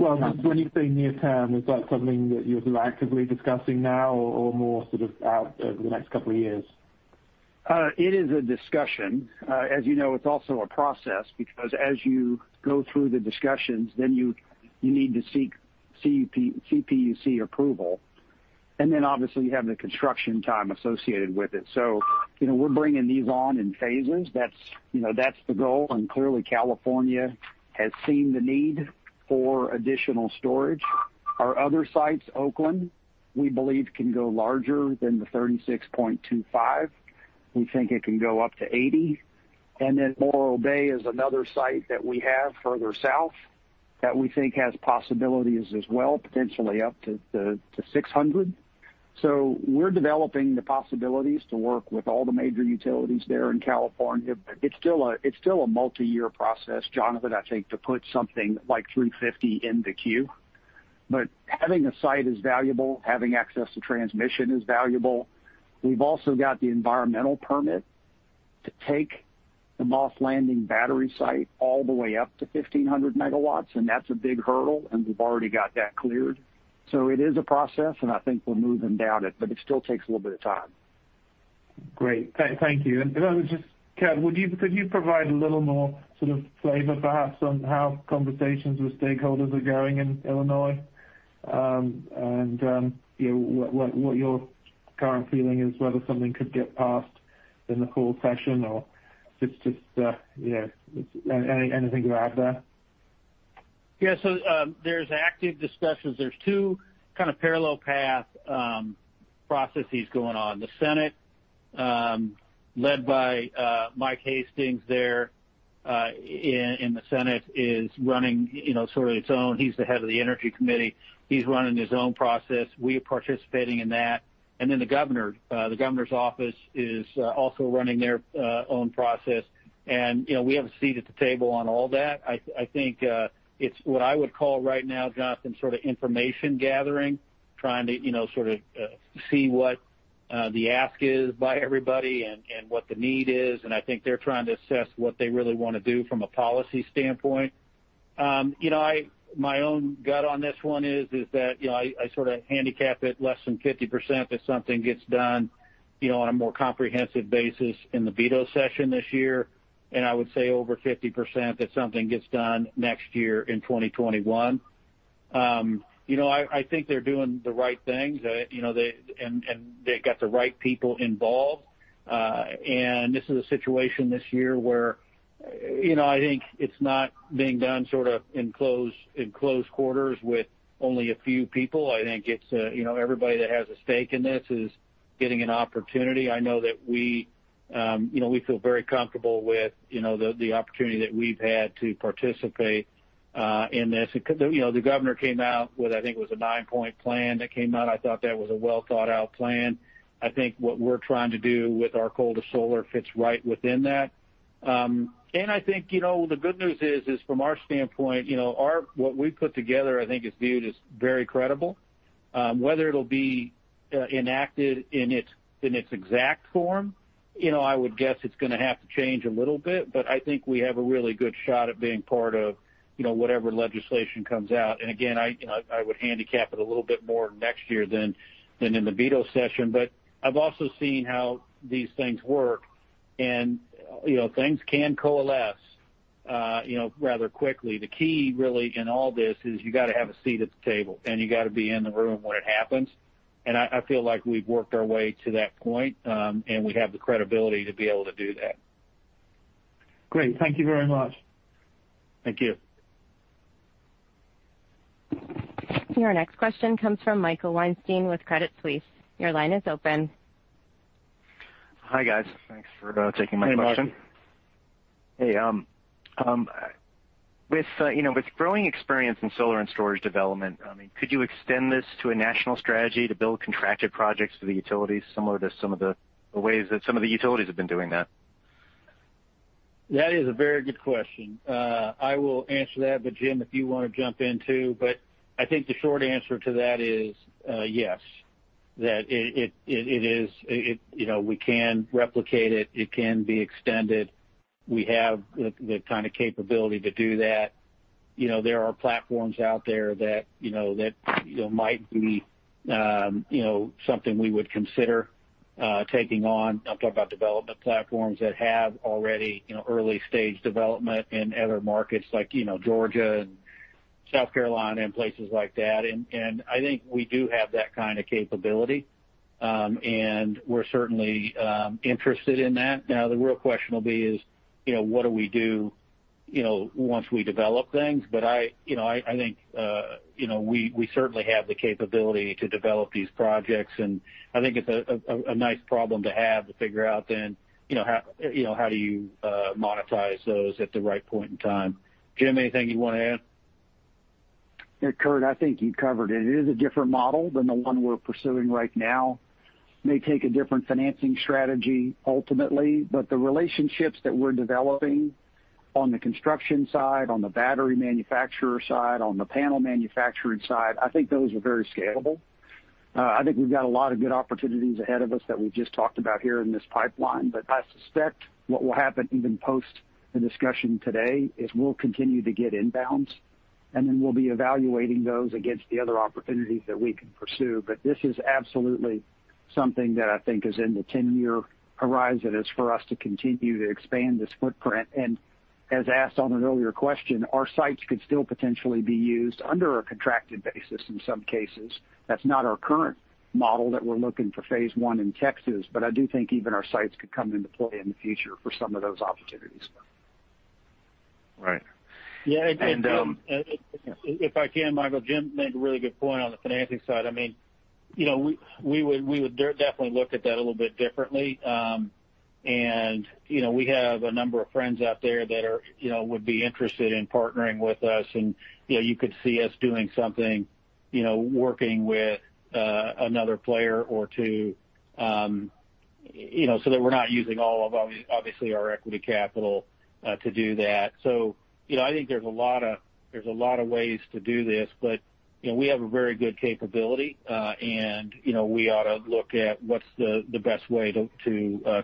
Well, when you say near-term, is that something that you're actively discussing now or more sort of out over the next couple of years? It is a discussion. As you know, it's also a process because as you go through the discussions, then you need to seek CPUC approval, and then obviously you have the construction time associated with it. We're bringing these on in phases. That's the goal, and clearly California has seen the need for additional storage. Our other sites, Oakland, we believe can go larger than the 36.25. We think it can go up to 80. Morro Bay is another site that we have further south that we think has possibilities as well, potentially up to 600. We're developing the possibilities to work with all the major utilities there in California, but it's still a multi-year process, Jonathan, I think, to put something like 350 in the queue. Having a site is valuable. Having access to transmission is valuable. We've also got the environmental permit to take the Moss Landing battery site all the way up to 1,500 MW, and that's a big hurdle, and we've already got that cleared. It is a process, and I think we're moving down it, but it still takes a little bit of time. Great. Thank you. Curt, could you provide a little more sort of flavor perhaps on how conversations with stakeholders are going in Illinois? What your current feeling is whether something could get passed in the full session or if it's just Anything to add there? Yeah, there's active discussions. There's two kind of parallel path processes going on. The Senate led by Michael Hastings there in the Senate is running sort of its own. He's the head of the Energy Committee. He's running his own process. We are participating in that. The governor's office is also running their own process. We have a seat at the table on all that. I think it's what I would call right now, Jonathan, sort of information gathering, trying to see what the ask is by everybody and what the need is. I think they're trying to assess what they really want to do from a policy standpoint. My own gut on this one is that I sort of handicap it less than 50% that something gets done on a more comprehensive basis in the veto session this year. I would say over 50% that something gets done next year in 2021. I think they're doing the right things, and they've got the right people involved. This is a situation this year where I think it's not being done in close quarters with only a few people. I think everybody that has a stake in this is getting an opportunity. I know that we feel very comfortable with the opportunity that we've had to participate in this. The governor came out with, I think it was a nine-point plan that came out. I thought that was a well-thought-out plan. I think what we're trying to do with our coal-to-solar fits right within that. I think the good news is from our standpoint, what we've put together I think is viewed as very credible. Whether it'll be enacted in its exact form, I would guess it's going to have to change a little bit, but I think we have a really good shot at being part of whatever legislation comes out. Again, I would handicap it a little bit more next year than in the veto session. I've also seen how these things work, and things can coalesce rather quickly. The key really in all this is you got to have a seat at the table, and you got to be in the room when it happens. I feel like we've worked our way to that point, and we have the credibility to be able to do that. Great. Thank you very much. Thank you. Your next question comes from Michael Weinstein with Credit Suisse. Your line is open. Hi, guys. Thanks for taking my question. Hey, Michael. Hey. With growing experience in solar and storage development, could you extend this to a national strategy to build contracted projects for the utilities similar to some of the ways that some of the utilities have been doing that? That is a very good question. I will answer that, but Jim, if you want to jump in, too. I think the short answer to that is yes. That we can replicate it. It can be extended. We have the kind of capability to do that. There are platforms out there that might be something we would consider taking on. I'm talking about development platforms that have already early-stage development in other markets like Georgia and South Carolina and places like that. I think we do have that kind of capability. We're certainly interested in that. Now the real question will be is what do we do once we develop things? I think we certainly have the capability to develop these projects, and I think it's a nice problem to have to figure out then how do you monetize those at the right point in time. Jim, anything you want to add? Yeah, Curt, I think you covered it. It is a different model than the one we're pursuing right now. May take a different financing strategy ultimately, but the relationships that we're developing on the construction side, on the battery manufacturer side, on the panel manufacturing side, I think those are very scalable. I think we've got a lot of good opportunities ahead of us that we just talked about here in this pipeline. I suspect what will happen even post the discussion today is we'll continue to get inbounds, and then we'll be evaluating those against the other opportunities that we can pursue. This is absolutely something that I think is in the 10-year horizon, is for us to continue to expand this footprint. As asked on an earlier question, our sites could still potentially be used under a contracted basis in some cases. That's not our current model that we're looking for phase I in Texas. I do think even our sites could come into play in the future for some of those opportunities. Right. Yeah. And. If I can, Michael, Jim made a really good point on the financing side. We would definitely look at that a little bit differently. We have a number of friends out there that would be interested in partnering with us, and you could see us doing something, working with another player or two so that we're not using all of, obviously, our equity capital to do that. I think there's a lot of ways to do this, but we have a very good capability. We ought to look at what's the best way to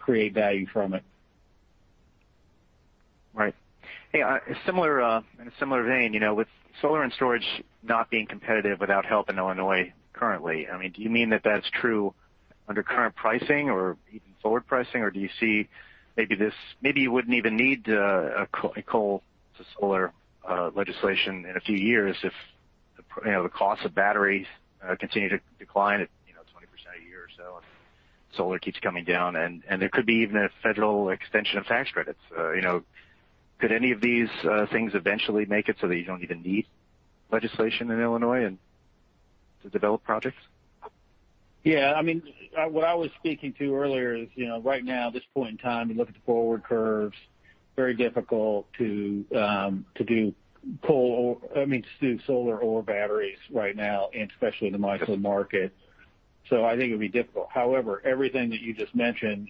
create value from it. Right. Hey, in a similar vein, with solar and storage not being competitive without help in Illinois currently, do you mean that that's true under current pricing or even forward pricing? Do you see maybe you wouldn't even need a coal-to-solar legislation in a few years if the costs of batteries continue to decline at 20% a year or so, and solar keeps coming down, and there could be even a federal extension of tax credits. Could any of these things eventually make it so that you don't even need legislation in Illinois to develop projects? Yeah. What I was speaking to earlier is, right now, at this point in time, you look at the forward curves, very difficult to do solar or batteries right now, and especially in the MISO market. I think it would be difficult. However, everything that you just mentioned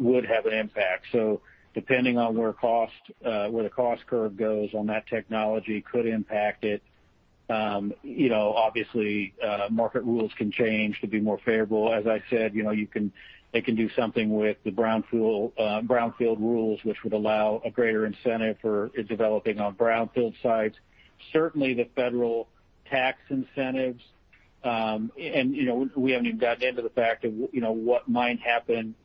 would have an impact. Depending on where the cost curve goes on that technology could impact it. Obviously, market rules can change to be more favorable. As I said, they can do something with the brownfield rules, which would allow a greater incentive for developing on brownfield sites. Certainly, the federal tax incentives. We haven't even gotten into the fact of what might happen,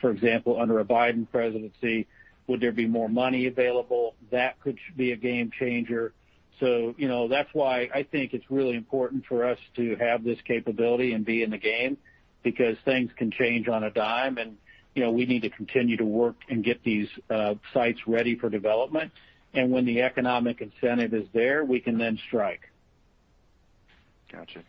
for example, under a Biden presidency. Would there be more money available? That could be a game changer. That's why I think it's really important for us to have this capability and be in the game, because things can change on a dime, and we need to continue to work and get these sites ready for development. When the economic incentive is there, we can then strike. Got you.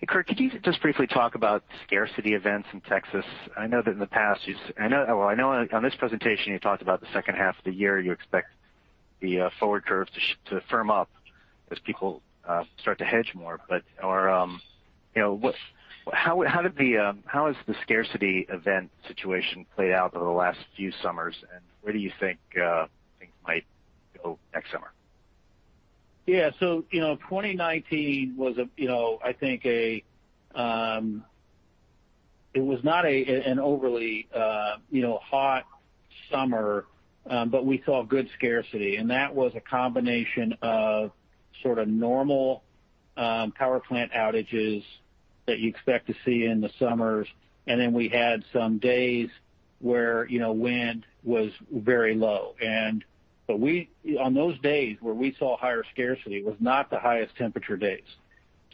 Hey, Curt, could you just briefly talk about scarcity events in Texas? I know on this presentation you talked about the second half of the year, you expect the forward curves to firm up as people start to hedge more. How has the scarcity event situation played out over the last few summers, and where do you think things might go next summer? 2019 was, I think, it was not an overly hot summer. We saw good scarcity, and that was a combination of sort of normal power plant outages that you expect to see in the summers. We had some days where wind was very low. On those days where we saw higher scarcity was not the highest temperature days.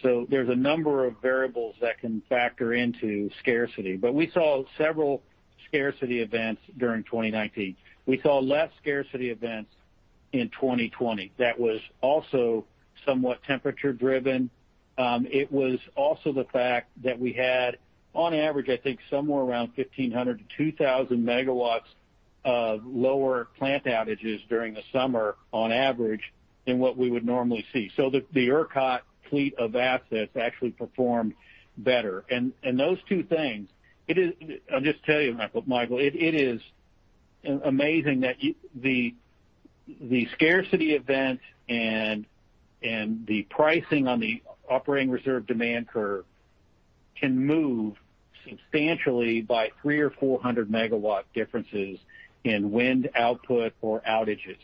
There's a number of variables that can factor into scarcity. We saw several scarcity events during 2019. We saw less scarcity events in 2020. That was also somewhat temperature driven. It was also the fact that we had, on average, I think somewhere around 1,500MW- 2,000 MW of lower plant outages during the summer, on average, than what we would normally see. The ERCOT fleet of assets actually performed better. Those two things, I'll just tell you, Michael, it is amazing that the scarcity events and the pricing on the Operating Reserve Demand Curve can move substantially by 3 MW or 400 MW differences in wind output or outages.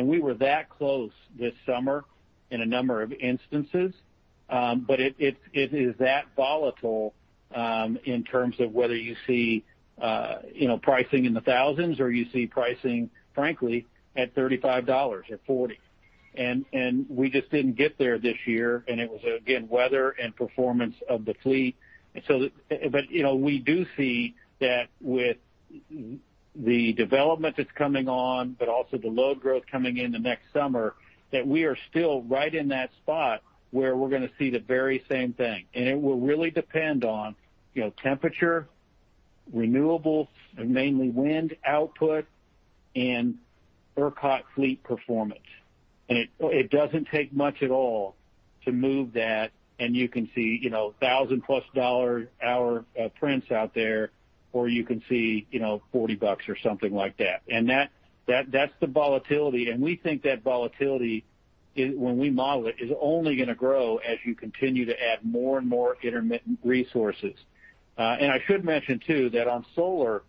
We were that close this summer in a number of instances. It is that volatile in terms of whether you see pricing in the thousands or you see pricing, frankly, at $35, at $40. We just didn't get there this year, and it was, again, weather and performance of the fleet. We do see that with the development that's coming on, but also the load growth coming in the next summer, that we are still right in that spot where we're going to see the very same thing. It will really depend on temperature, renewable, mainly wind output, and ERCOT fleet performance. It doesn't take much at all to move that, and you can see $1,000+ hour prints out there, or you can see $40 or something like that. That's the volatility, and we think that volatility, when we model it, is only going to grow as you continue to add more and more intermittent resources. I should mention too, that on solar,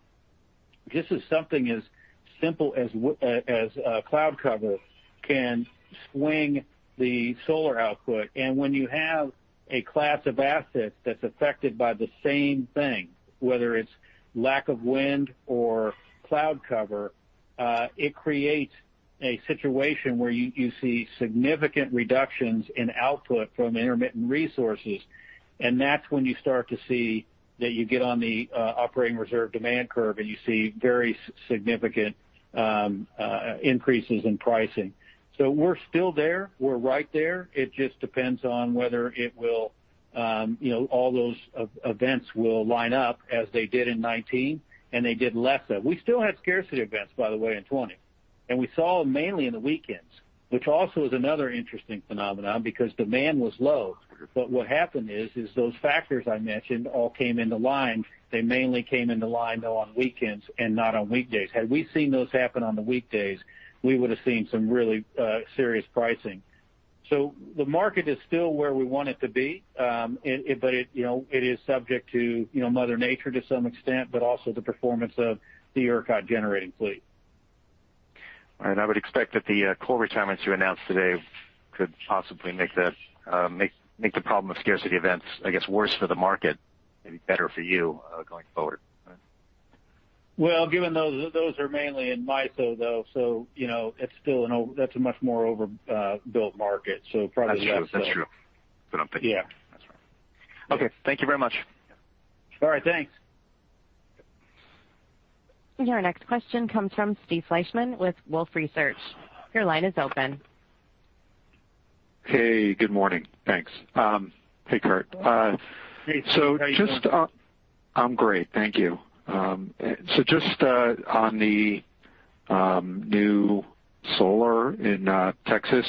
just as something as simple as cloud cover can swing the solar output. When you have a class of assets that's affected by the same thing, whether it's lack of wind or cloud cover, it creates a situation where you see significant reductions in output from intermittent resources. That's when you start to see that you get on the Operating Reserve Demand Curve, and you see very significant increases in pricing. We're still there. We're right there. It just depends on whether all those events will line up as they did in 2019, and they did less of. We still had scarcity events, by the way, in 2020, and we saw them mainly in the weekends, which also is another interesting phenomenon because demand was low. What happened is those factors I mentioned all came into line. They mainly came into line, though, on weekends and not on weekdays. Had we seen those happen on the weekdays, we would've seen some really serious pricing. The market is still where we want it to be. It is subject to Mother Nature to some extent, but also the performance of the ERCOT generating fleet. All right. I would expect that the coal retirements you announced today could possibly make the problem of scarcity events, I guess, worse for the market, maybe better for you, going forward. Well, given those are mainly in MISO, though, that's a much more over-built market, probably less so. That's true. That's true. Yeah. That's right. Okay. Thank you very much. All right. Thanks. Your next question comes from Steve Fleishman with Wolfe Research. Your line is open. Hey, good morning. Thanks. Hey, Curt. Hey. How you doing? I'm great. Thank you. Just on the new solar in Texas.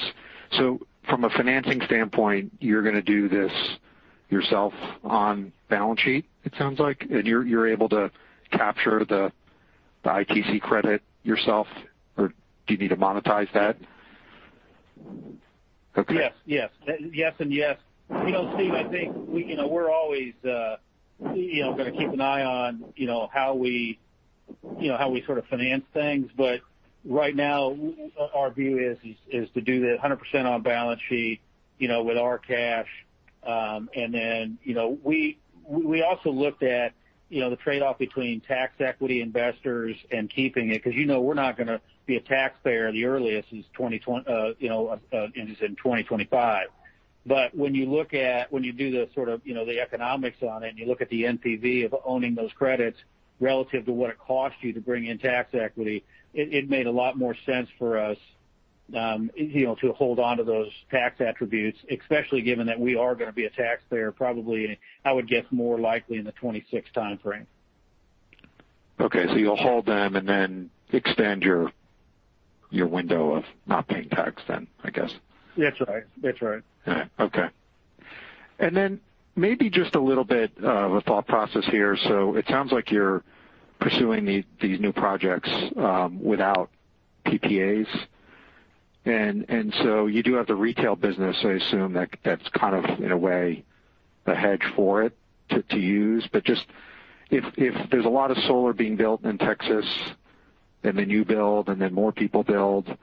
From a financing standpoint, you're going to do this yourself on balance sheet, it sounds like? You're able to capture the ITC credit yourself or do you need to monetize that? Okay. Yes. Yes and yes. Steve, I think we're always going to keep an eye on how we sort of finance things. Right now, our view is to do the 100% on balance sheet with our cash. We also looked at the trade-off between tax equity investors and keeping it, because we're not going to be a taxpayer the earliest is in 2025. When you do the economics on it, and you look at the NPV of owning those credits relative to what it costs you to bring in tax equity, it made a lot more sense for us to hold onto those tax attributes, especially given that we are going to be a taxpayer probably, I would guess, more likely in the 2026 timeframe. You'll hold them and then extend your window of not paying tax then, I guess. That's right. All right. Okay. Maybe just a little bit of a thought process here. It sounds like you're pursuing these new projects without PPAs. You do have the retail business, I assume that's kind of, in a way, a hedge for it to use. If there's a lot of solar being built in Texas, and then you build, and then more people build,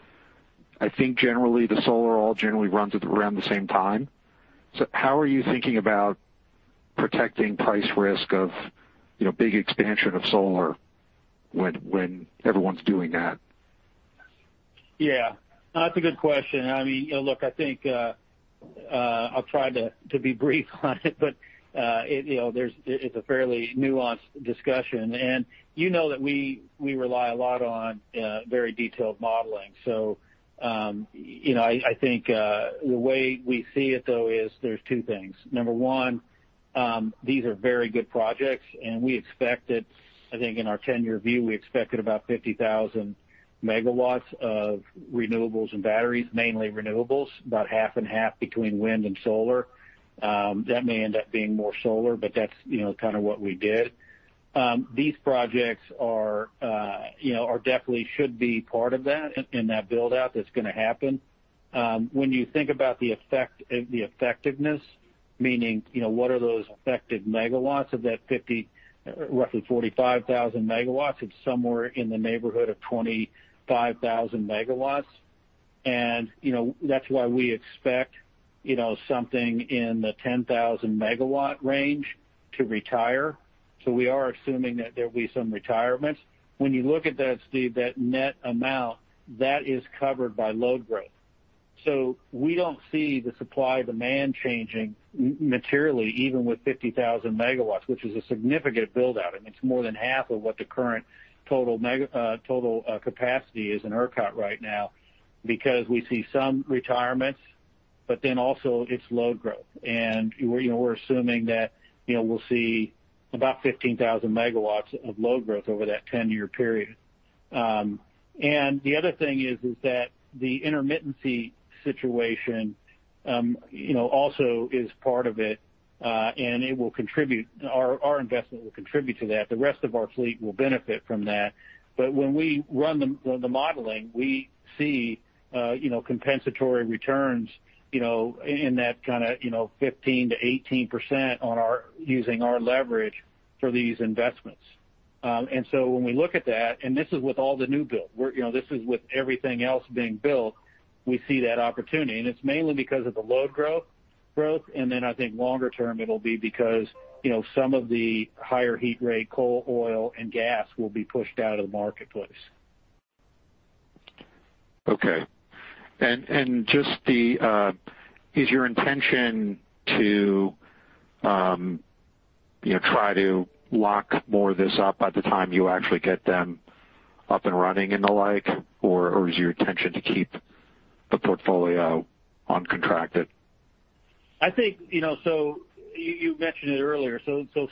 I think generally the solar all generally runs around the same time. How are you thinking about protecting price risk of big expansion of solar when everyone's doing that? Yeah. That's a good question. I mean, look, I think I'll try to be brief on it, but it's a fairly nuanced discussion. You know that we rely a lot on very detailed modeling. I think the way we see it, though, is there's two things. Number one, these are very good projects, I think in our 10-year view, we expected about 50,000 MW of renewables and batteries, mainly renewables, about half and half between wind and solar. That may end up being more solar, but that's kind of what we did. These projects definitely should be part of that in that build-out that's going to happen. When you think about the effectiveness, meaning what are those affected MW of that roughly 45,000 MW? It's somewhere in the neighborhood of 25,000 MW. That's why we expect something in the 10,000 MW range to retire. We are assuming that there'll be some retirements. When you look at that, Steve, that net amount, that is covered by load growth. We don't see the supply-demand changing materially even with 50,000 MW, which is a significant build-out. I mean, it's more than half of what the current total capacity is in ERCOT right now because we see some retirements, but then also it's load growth. We're assuming that we'll see about 15,000 MW of load growth over that 10-year period. The other thing is that the intermittency situation also is part of it, and our investment will contribute to that. The rest of our fleet will benefit from that. When we run the modeling, we see compensatory returns in that 15%-18% using our leverage for these investments. When we look at that, and this is with all the new build, this is with everything else being built, we see that opportunity, and it's mainly because of the load growth. I think longer term it'll be because some of the higher heat rate coal, oil, and gas will be pushed out of the marketplace. Okay. Is your intention to try to lock more of this up by the time you actually get them up and running and the like, or is your intention to keep the portfolio uncontracted? You mentioned it earlier.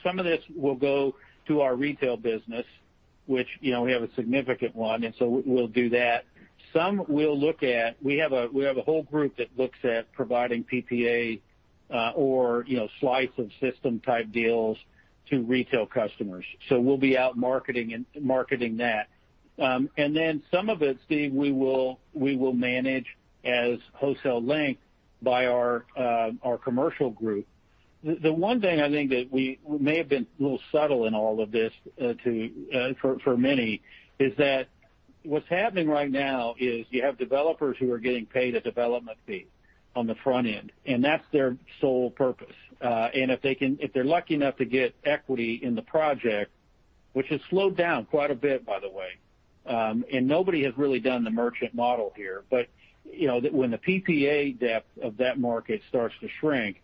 Some of this will go to our retail business, which we have a significant one, we'll do that. Some we'll look at. We have a whole group that looks at providing PPA or slice of system-type deals to retail customers. We'll be out marketing that. Some of it, Steve, we will manage as wholesale link by our commercial group. The one thing I think that we may have been a little subtle in all of this for many is that what's happening right now is you have developers who are getting paid a development fee on the front end, and that's their sole purpose. If they're lucky enough to get equity in the project, which has slowed down quite a bit, by the way, nobody has really done the merchant model here, but when the PPA depth of that market starts to shrink,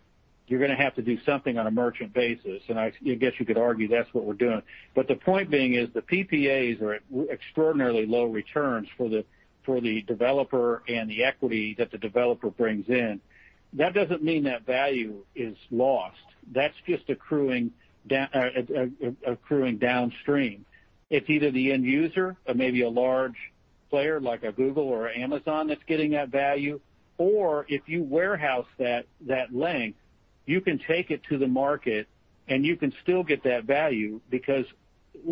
you're going to have to do something on a merchant basis. I guess you could argue that's what we're doing. The point being is the PPAs are at extraordinarily low returns for the developer and the equity that the developer brings in. That doesn't mean that value is lost. That's just accruing downstream. It's either the end user or maybe a large player like a Google or Amazon that's getting that value. If you warehouse that length, you can take it to the market and you can still get that value because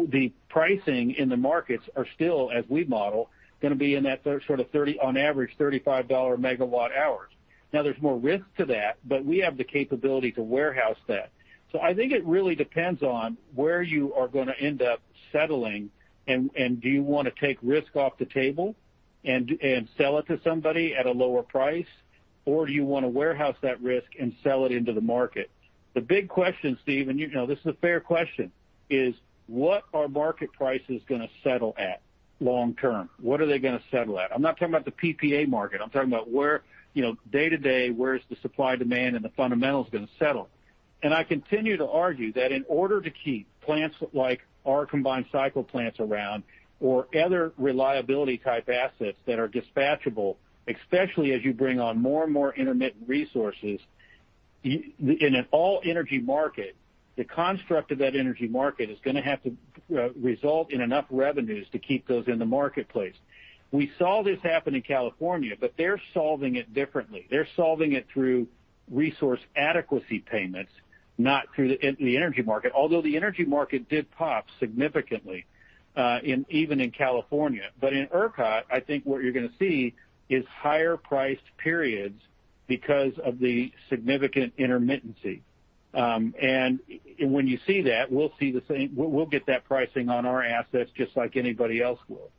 the pricing in the markets are still, as we model, going to be in that on average $35 MW hours. There's more risk to that, but we have the capability to warehouse that. I think it really depends on where you are going to end up settling and do you want to take risk off the table and sell it to somebody at a lower price, or do you want to warehouse that risk and sell it into the market? The big question, Steve, and this is a fair question, is what are market prices going to settle at long term? What are they going to settle at? I'm not talking about the PPA market. I'm talking about day to day, where's the supply-demand and the fundamentals going to settle at? I continue to argue that in order to keep plants like our combined cycle plants around or other reliability-type assets that are dispatchable, especially as you bring on more and more intermittent resources in an all-energy market, the construct of that energy market is going to have to result in enough revenues to keep those in the marketplace. We saw this happen in California, they're solving it differently. They're solving it through Resource Adequacy payments, not through the energy market, although the energy market did pop significantly even in California. In ERCOT, I think what you're going to see is higher priced periods because of the significant intermittency. When you see that, we'll get that pricing on our assets just like anybody else will.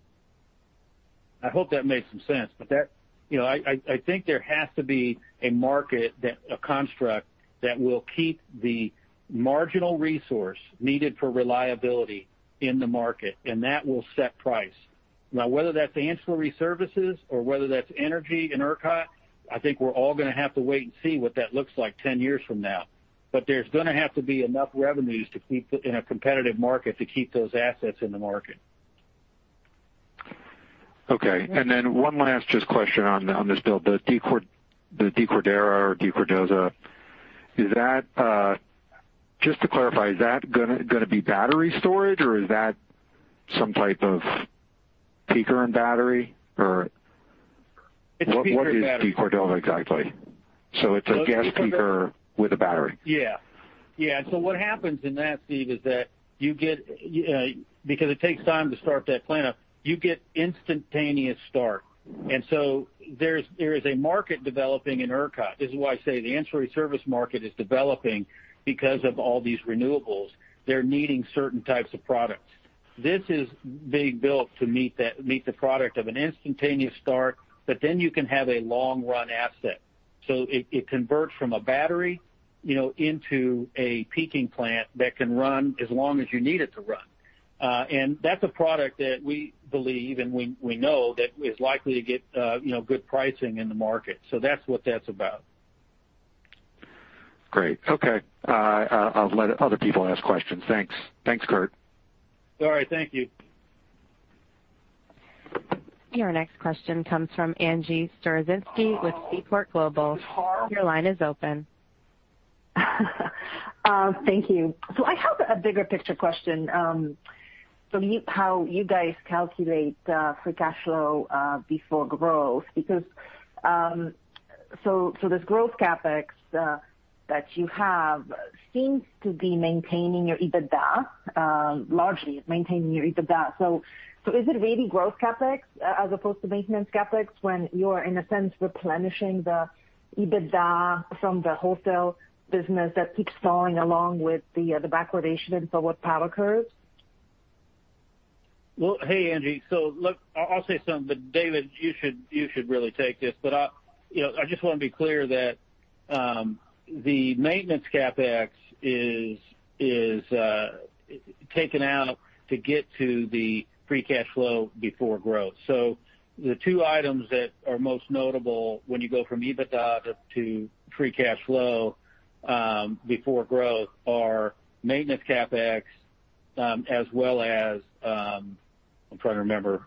I hope that made some sense. I think there has to be a construct that will keep the marginal resource needed for reliability in the market, and that will set price. Whether that's ancillary services or whether that's energy in ERCOT, I think we're all going to have to wait and see what that looks like 10 years from now. There's going to have to be enough revenues in a competitive market to keep those assets in the market. Okay, then one last just question on this build. The DeCordova, just to clarify, is that going to be battery storage, or is that some type of peaker and battery? It's peaker and battery. What is DeCordova exactly? It's a gas peaker with a battery. Yeah. What happens in that, Steve, is that because it takes time to start that plant up, you get instantaneous start. There is a market developing in ERCOT. This is why I say the ancillary service market is developing because of all these renewables. They're needing certain types of products. This is being built to meet the product of an instantaneous start, you can have a long-run asset. It converts from a battery into a peaking plant that can run as long as you need it to run. That's a product that we believe and we know that is likely to get good pricing in the market. That's what that's about. Great. Okay. I'll let other people ask questions. Thanks. Thanks, Curt. All right. Thank you. Your next question comes from Angie Storozynski with Seaport Global. Your line is open. Thank you. I have a bigger picture question from how you guys calculate free cash flow before growth, because this growth CapEx that you have seems to be maintaining your EBITDA, largely it's maintaining your EBITDA. Is it really growth CapEx as opposed to maintenance CapEx when you're in a sense replenishing the EBITDA from the wholesale business that keeps falling along with the backwardation in forward power curves? Well, hey, Angie. Look, I'll say something, but David, you should really take this. I just want to be clear that the maintenance CapEx is taken out to get to the free cash flow before growth. The two items that are most notable when you go from EBITDA to free cash flow before growth are maintenance CapEx as well as, I'm trying to remember.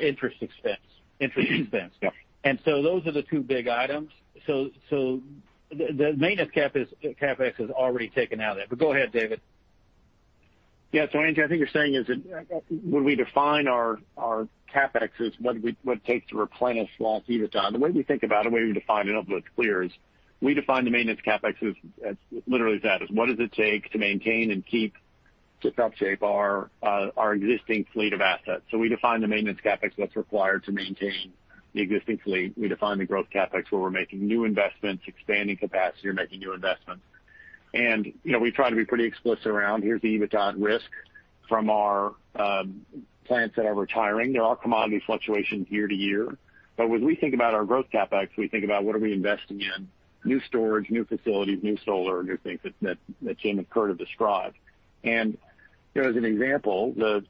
Interest expense. Interest expense. Yeah. Those are the two big items. The maintenance CapEx is already taken out of that. Go ahead, David. Yeah. Angie, I think you're saying is that when we define our CapEx is what it takes to replenish lost EBITDA. The way we think about it, the way we define it, I hope it's clear, is we define the maintenance CapEx as literally that, is what does it take to maintain and keep, to top shape our existing fleet of assets. We define the maintenance CapEx that's required to maintain the existing fleet. We define the growth CapEx where we're making new investments, expanding capacity or making new investments. We try to be pretty explicit around here's the EBITDA risk from our plants that are retiring. There are commodity fluctuations year to year. When we think about our growth CapEx, we think about what are we investing in, new storage, new facilities, new solar, new things that Jim and Curt have described. As an example, the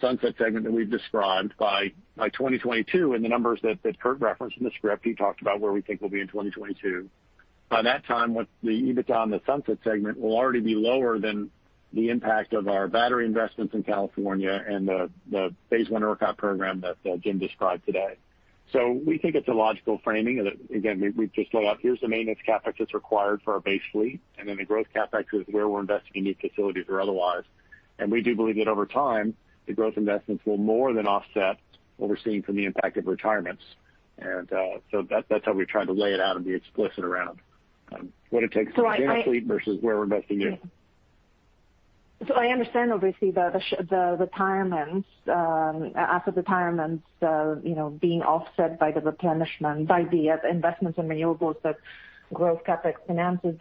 sunset segment that we've described by 2022 and the numbers that Curt referenced in the script, he talked about where we think we'll be in 2022. By that time, what the EBITDA on the sunset segment will already be lower than the impact of our battery investments in California and the phase I ERCOT program that Jim described today. We think it's a logical framing. Again, we've just laid out, here's the maintenance CapEx that's required for our base fleet, and then the growth CapEx is where we're investing in new facilities or otherwise. We do believe that over time, the growth investments will more than offset what we're seeing from the impact of retirements. That's how we try to lay it out and be explicit around what it takes in our fleet versus where we're investing it. I understand obviously the retirements, asset retirements being offset by the replenishment, by the investments in renewables that growth CapEx finances.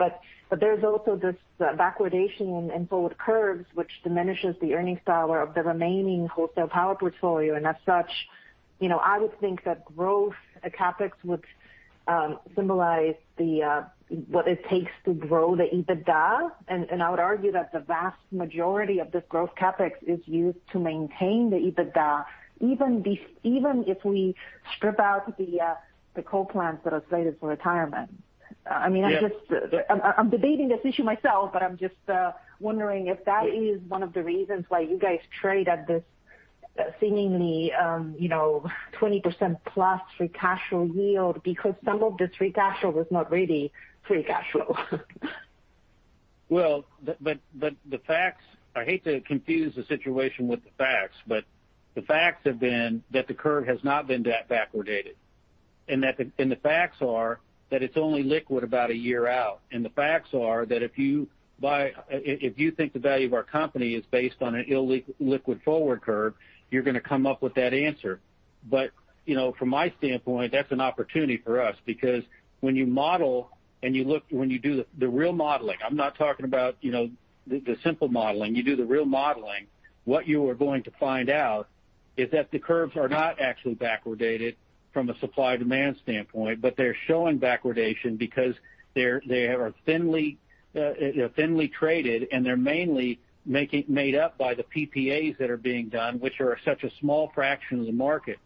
There's also this backwardation in forward curves which diminishes the earning power of the remaining wholesale power portfolio. As such, I would think that growth CapEx would symbolize what it takes to grow the EBITDA. I would argue that the vast majority of this growth CapEx is used to maintain the EBITDA, even if we strip out the coal plants that are slated for retirement. Yeah. I'm debating this issue myself, but I'm just wondering if that is one of the reasons why you guys trade at this seemingly 20%+ free cash flow yield because some of this free cash flow was not really free cash flow. The facts, I hate to confuse the situation with the facts, but the facts have been that the curve has not been that backwardated, and the facts are that it's only liquid about a year out. The facts are that if you think the value of our company is based on an illiquid forward curve, you're going to come up with that answer. From my standpoint, that's an opportunity for us because when you model and when you do the real modeling, I'm not talking about the simple modeling, you do the real modeling, what you are going to find out is that the curves are not actually backwardated from a supply-demand standpoint, but they're showing backwardation because they are thinly traded, and they're mainly made up by the PPAs that are being done, which are such a small fraction of the market.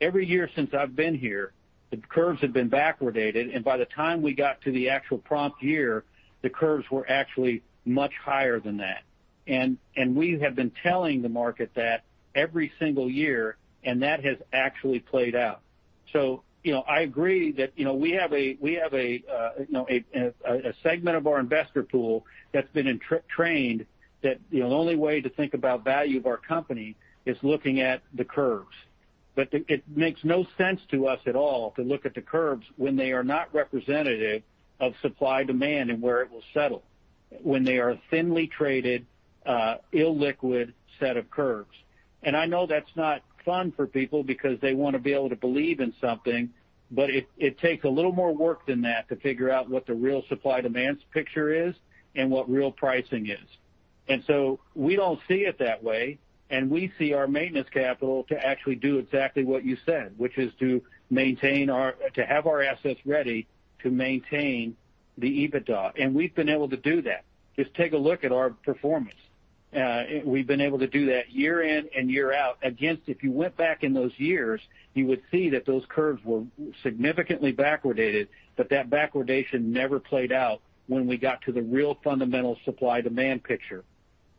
Every year since I've been here, the curves have been backwardated, and by the time we got to the actual prompt year, the curves were actually much higher than that. We have been telling the market that every single year, and that has actually played out. I agree that we have a segment of our investor pool that's been trained that the only way to think about value of our company is looking at the curves. It makes no sense to us at all to look at the curves when they are not representative of supply-demand and where it will settle, when they are thinly traded, illiquid set of curves. I know that's not fun for people because they want to be able to believe in something, but it takes a little more work than that to figure out what the real supply-demand picture is and what real pricing is. We don't see it that way, and we see our maintenance capital to actually do exactly what you said, which is to have our assets ready to maintain the EBITDA. We've been able to do that. Just take a look at our performance. We've been able to do that year in and year out. Again, if you went back in those years, you would see that those curves were significantly backwardated, but that backwardation never played out when we got to the real fundamental supply-demand picture.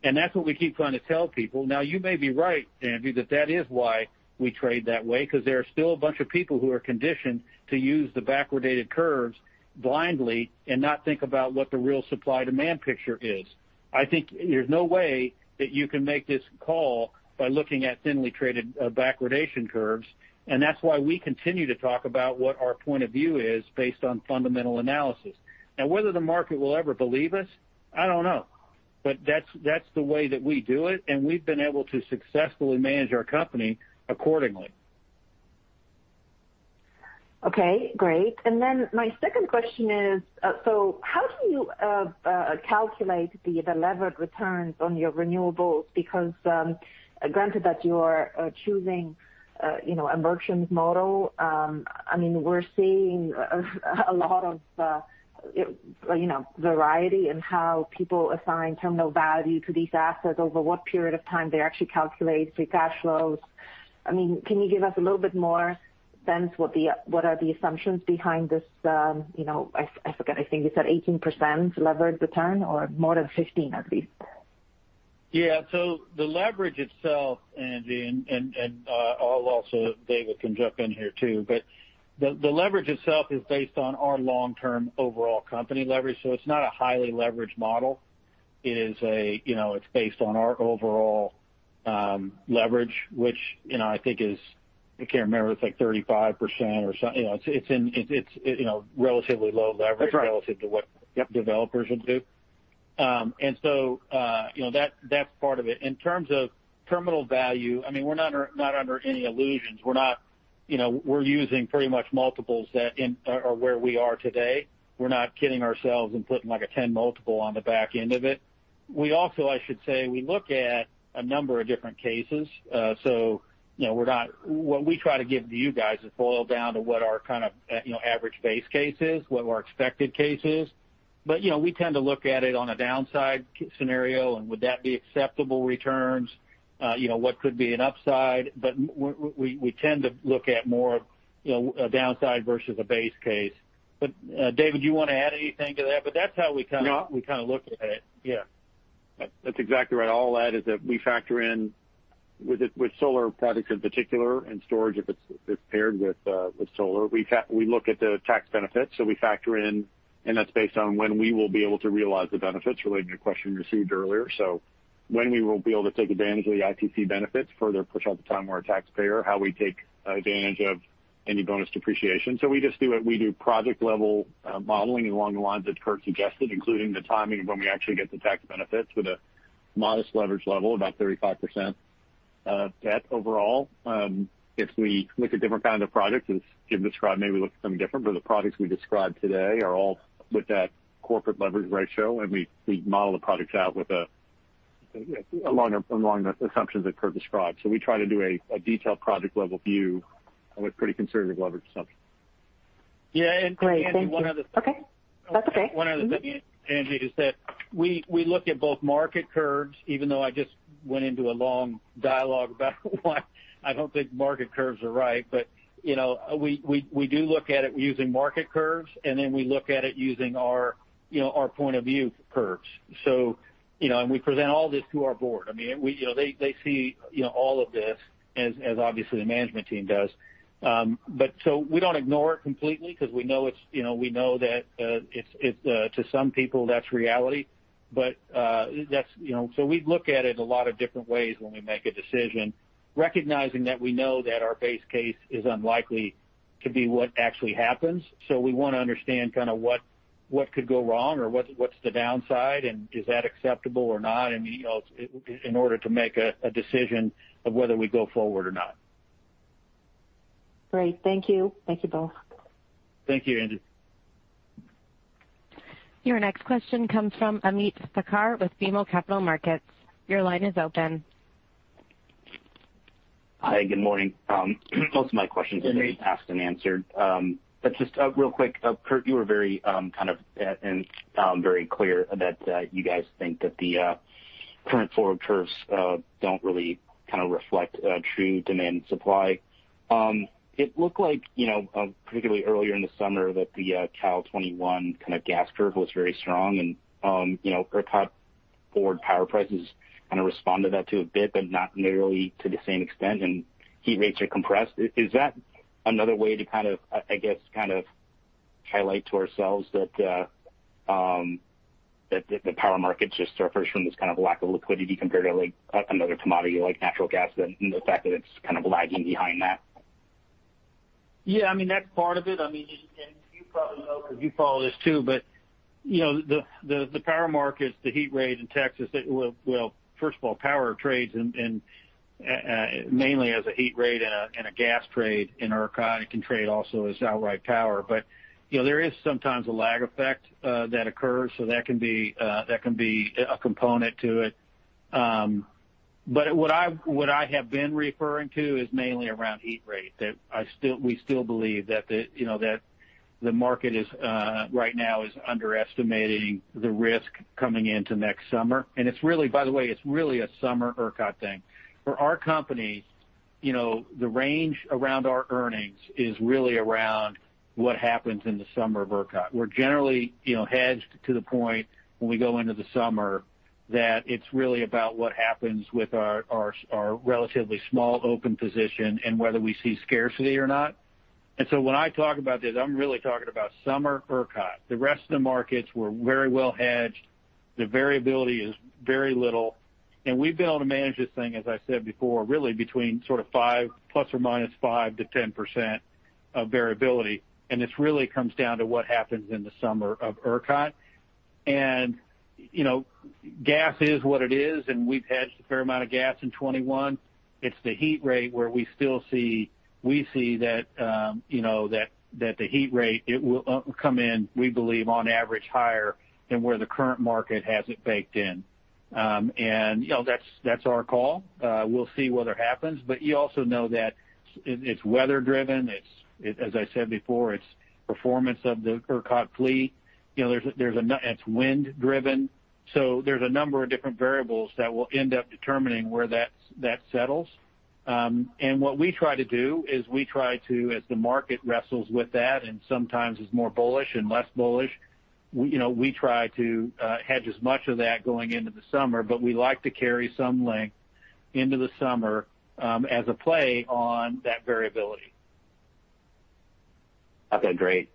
That's what we keep trying to tell people. You may be right, Angie, that is why we trade that way, because there are still a bunch of people who are conditioned to use the backwardated curves blindly and not think about what the real supply-demand picture is. I think there's no way that you can make this call by looking at thinly traded backwardation curves. That's why we continue to talk about what our point of view is based on fundamental analysis. Whether the market will ever believe us, I don't know. That's the way that we do it, and we've been able to successfully manage our company accordingly. Okay, great. My second question is, how do you calculate the leveraged returns on your renewables? Granted that you are choosing a merchant's model, we're seeing a lot of variety in how people assign terminal value to these assets, over what period of time they actually calculate free cash flows. Can you give us a little bit more sense what are the assumptions behind this, I forget, I think you said 18% leverage return or more than 15, at least? Yeah. The leverage itself, Angie, and also David can jump in here too, but the leverage itself is based on our long-term overall company leverage. It's not a highly leveraged model. It's based on our overall leverage, which I think is, I can't remember, it's like 35% or something. It's relatively low leverage. That's right. Relative to what developers would do. That's part of it. In terms of terminal value, we're not under any illusions. We're using pretty much multiples that are where we are today. We're not kidding ourselves and putting like a 10 multiple on the back end of it. We also, I should say, we look at a number of different cases. What we try to give to you guys is boil down to what our kind of average base case is, what our expected case is. We tend to look at it on a downside scenario, and would that be acceptable returns? What could be an upside? We tend to look at more of a downside versus a base case. David, do you want to add anything to that? That's how we kind of. No. We look at it. Yeah. That's exactly right. I'll add is that we factor in, with solar products in particular, and storage, if it's paired with solar, we look at the tax benefits. We factor in, and that's based on when we will be able to realize the benefits related to a question you received earlier. When we will be able to take advantage of the ITC benefits, further push out the time our taxpayer, how we take advantage of any bonus depreciation. We just do it. We do project-level modeling along the lines that Curt suggested, including the timing of when we actually get the tax benefits with a modest leverage level, about 35% of debt overall. If we look at different kind of projects, as Jim described, maybe we look at something different, but the products we described today are all with that corporate leverage ratio, and we model the products out along the assumptions that Curt described. We try to do a detailed project-level view with pretty conservative leverage assumptions. Yeah, and Angie. Great. Thank you. One other thing. Okay. That's okay. One other thing, Angie, is that we look at both market curves, even though I just went into a long dialogue about why I don't think market curves are right. We do look at it using market curves, and then we look at it using our point of view curves. We present all this to our board. They see all of this as obviously the management team does. So we don't ignore it completely because we know that to some people, that's reality. We look at it a lot of different ways when we make a decision, recognizing that we know that our base case is unlikely to be what actually happens. We want to understand what could go wrong or what's the downside, and is that acceptable or not in order to make a decision of whether we go forward or not. Great. Thank you. Thank you both. Thank you, Angie. Your next question comes from Ameet Thakkar with BMO Capital Markets. Your line is open. Hi, good morning. Most of my questions have been asked and answered. Just real quick, Curt, you were very kind of, and very clear that you guys think that the current forward curves don't really reflect true demand and supply. It looked like, particularly earlier in the summer, that the Cal 21 gas curve was very strong, and ERCOT forward power prices kind of respond to that too a bit, but not nearly to the same extent, and heat rates are compressed. Is that another way to, I guess, highlight to ourselves that the power market just suffers from this kind of lack of liquidity compared to another commodity like natural gas, and the fact that it's kind of lagging behind that? Yeah, that's part of it. You probably know because you follow this too, the power markets, the heat rate in Texas, well, first of all, power trades mainly as a heat rate and a gas trade in ERCOT. It can trade also as outright power. There is sometimes a lag effect that occurs, that can be a component to it. What I have been referring to is mainly around heat rate. That we still believe that the market right now is underestimating the risk coming into next summer. By the way, it's really a summer ERCOT thing. For our company, the range around our earnings is really around what happens in the summer of ERCOT. We're generally hedged to the point when we go into the summer that it's really about what happens with our relatively small open position and whether we see scarcity or not. When I talk about this, I'm really talking about summer ERCOT. The rest of the markets were very well hedged. The variability is very little, and we've been able to manage this thing, as I said before, really between sort of ±5%-10% of variability. This really comes down to what happens in the summer of ERCOT. Gas is what it is, and we've hedged a fair amount of gas in 2021. It's the heat rate where we see that the heat rate, it will come in, we believe, on average higher than where the current market has it baked in. That's our call. We'll see whether it happens. You also know that it's weather driven. As I said before, it's performance of the ERCOT fleet. It's wind driven. There's a number of different variables that will end up determining where that settles. What we try to do is we try to, as the market wrestles with that, and sometimes it's more bullish and less bullish, we try to hedge as much of that going into the summer. We like to carry some length into the summer as a play on that variability. Okay, great.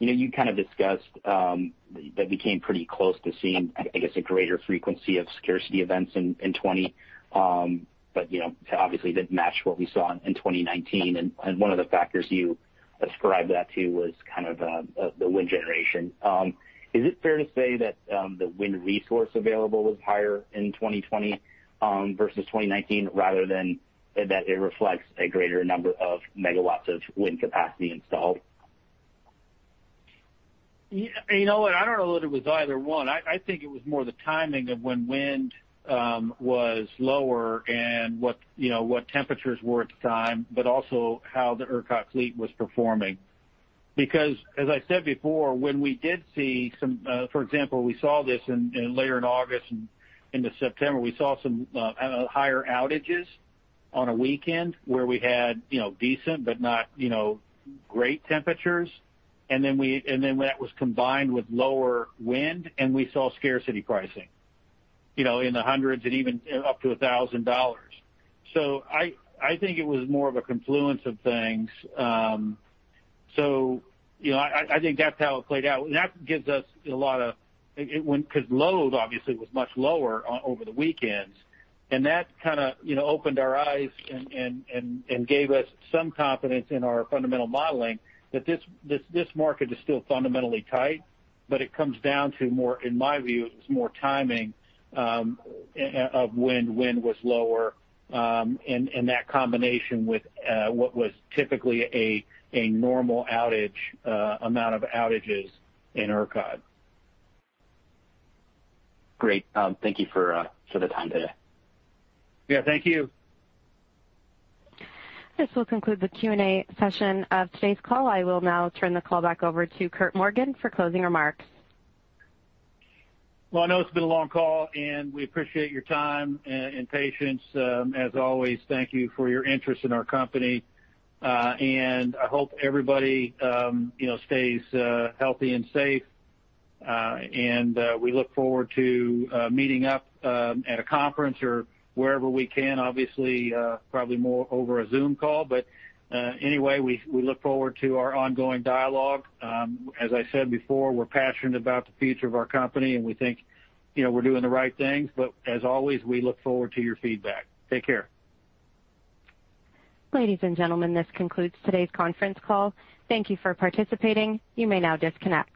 You kind of discussed that became pretty close to seeing, I guess, a greater frequency of scarcity events in 2020. Obviously didn't match what we saw in 2019. One of the factors you ascribed that to was the wind generation. Is it fair to say that the wind resource available was higher in 2020 versus 2019, rather than that it reflects a greater number of MW of wind capacity installed? You know what? I don't know that it was either one. I think it was more the timing of when wind was lower and what temperatures were at the time, but also how the ERCOT fleet was performing. As I said before, for example, we saw this in later in August and into September, we saw some higher outages on a weekend where we had decent but not great temperatures. That was combined with lower wind, and we saw scarcity pricing in the hundreds and even up to $1,000. I think it was more of a confluence of things. I think that's how it played out. That gives us a lot because load obviously was much lower over the weekends, and that kind of opened our eyes and gave us some confidence in our fundamental modeling that this market is still fundamentally tight. It comes down to more, in my view, it was more timing of when wind was lower and that combination with what was typically a normal amount of outages in ERCOT. Great. Thank you for the time today. Yeah. Thank you. This will conclude the Q&A session of today's call. I will now turn the call back over to Curt Morgan for closing remarks. Well, I know it's been a long call, and we appreciate your time and patience. As always, thank you for your interest in our company. I hope everybody stays healthy and safe. We look forward to meeting up at a conference or wherever we can. Obviously, probably more over a Zoom call. Anyway, we look forward to our ongoing dialogue. As I said before, we're passionate about the future of our company, and we think we're doing the right things. As always, we look forward to your feedback. Take care. Ladies and gentlemen, this concludes today's conference call. Thank you for participating. You may now disconnect.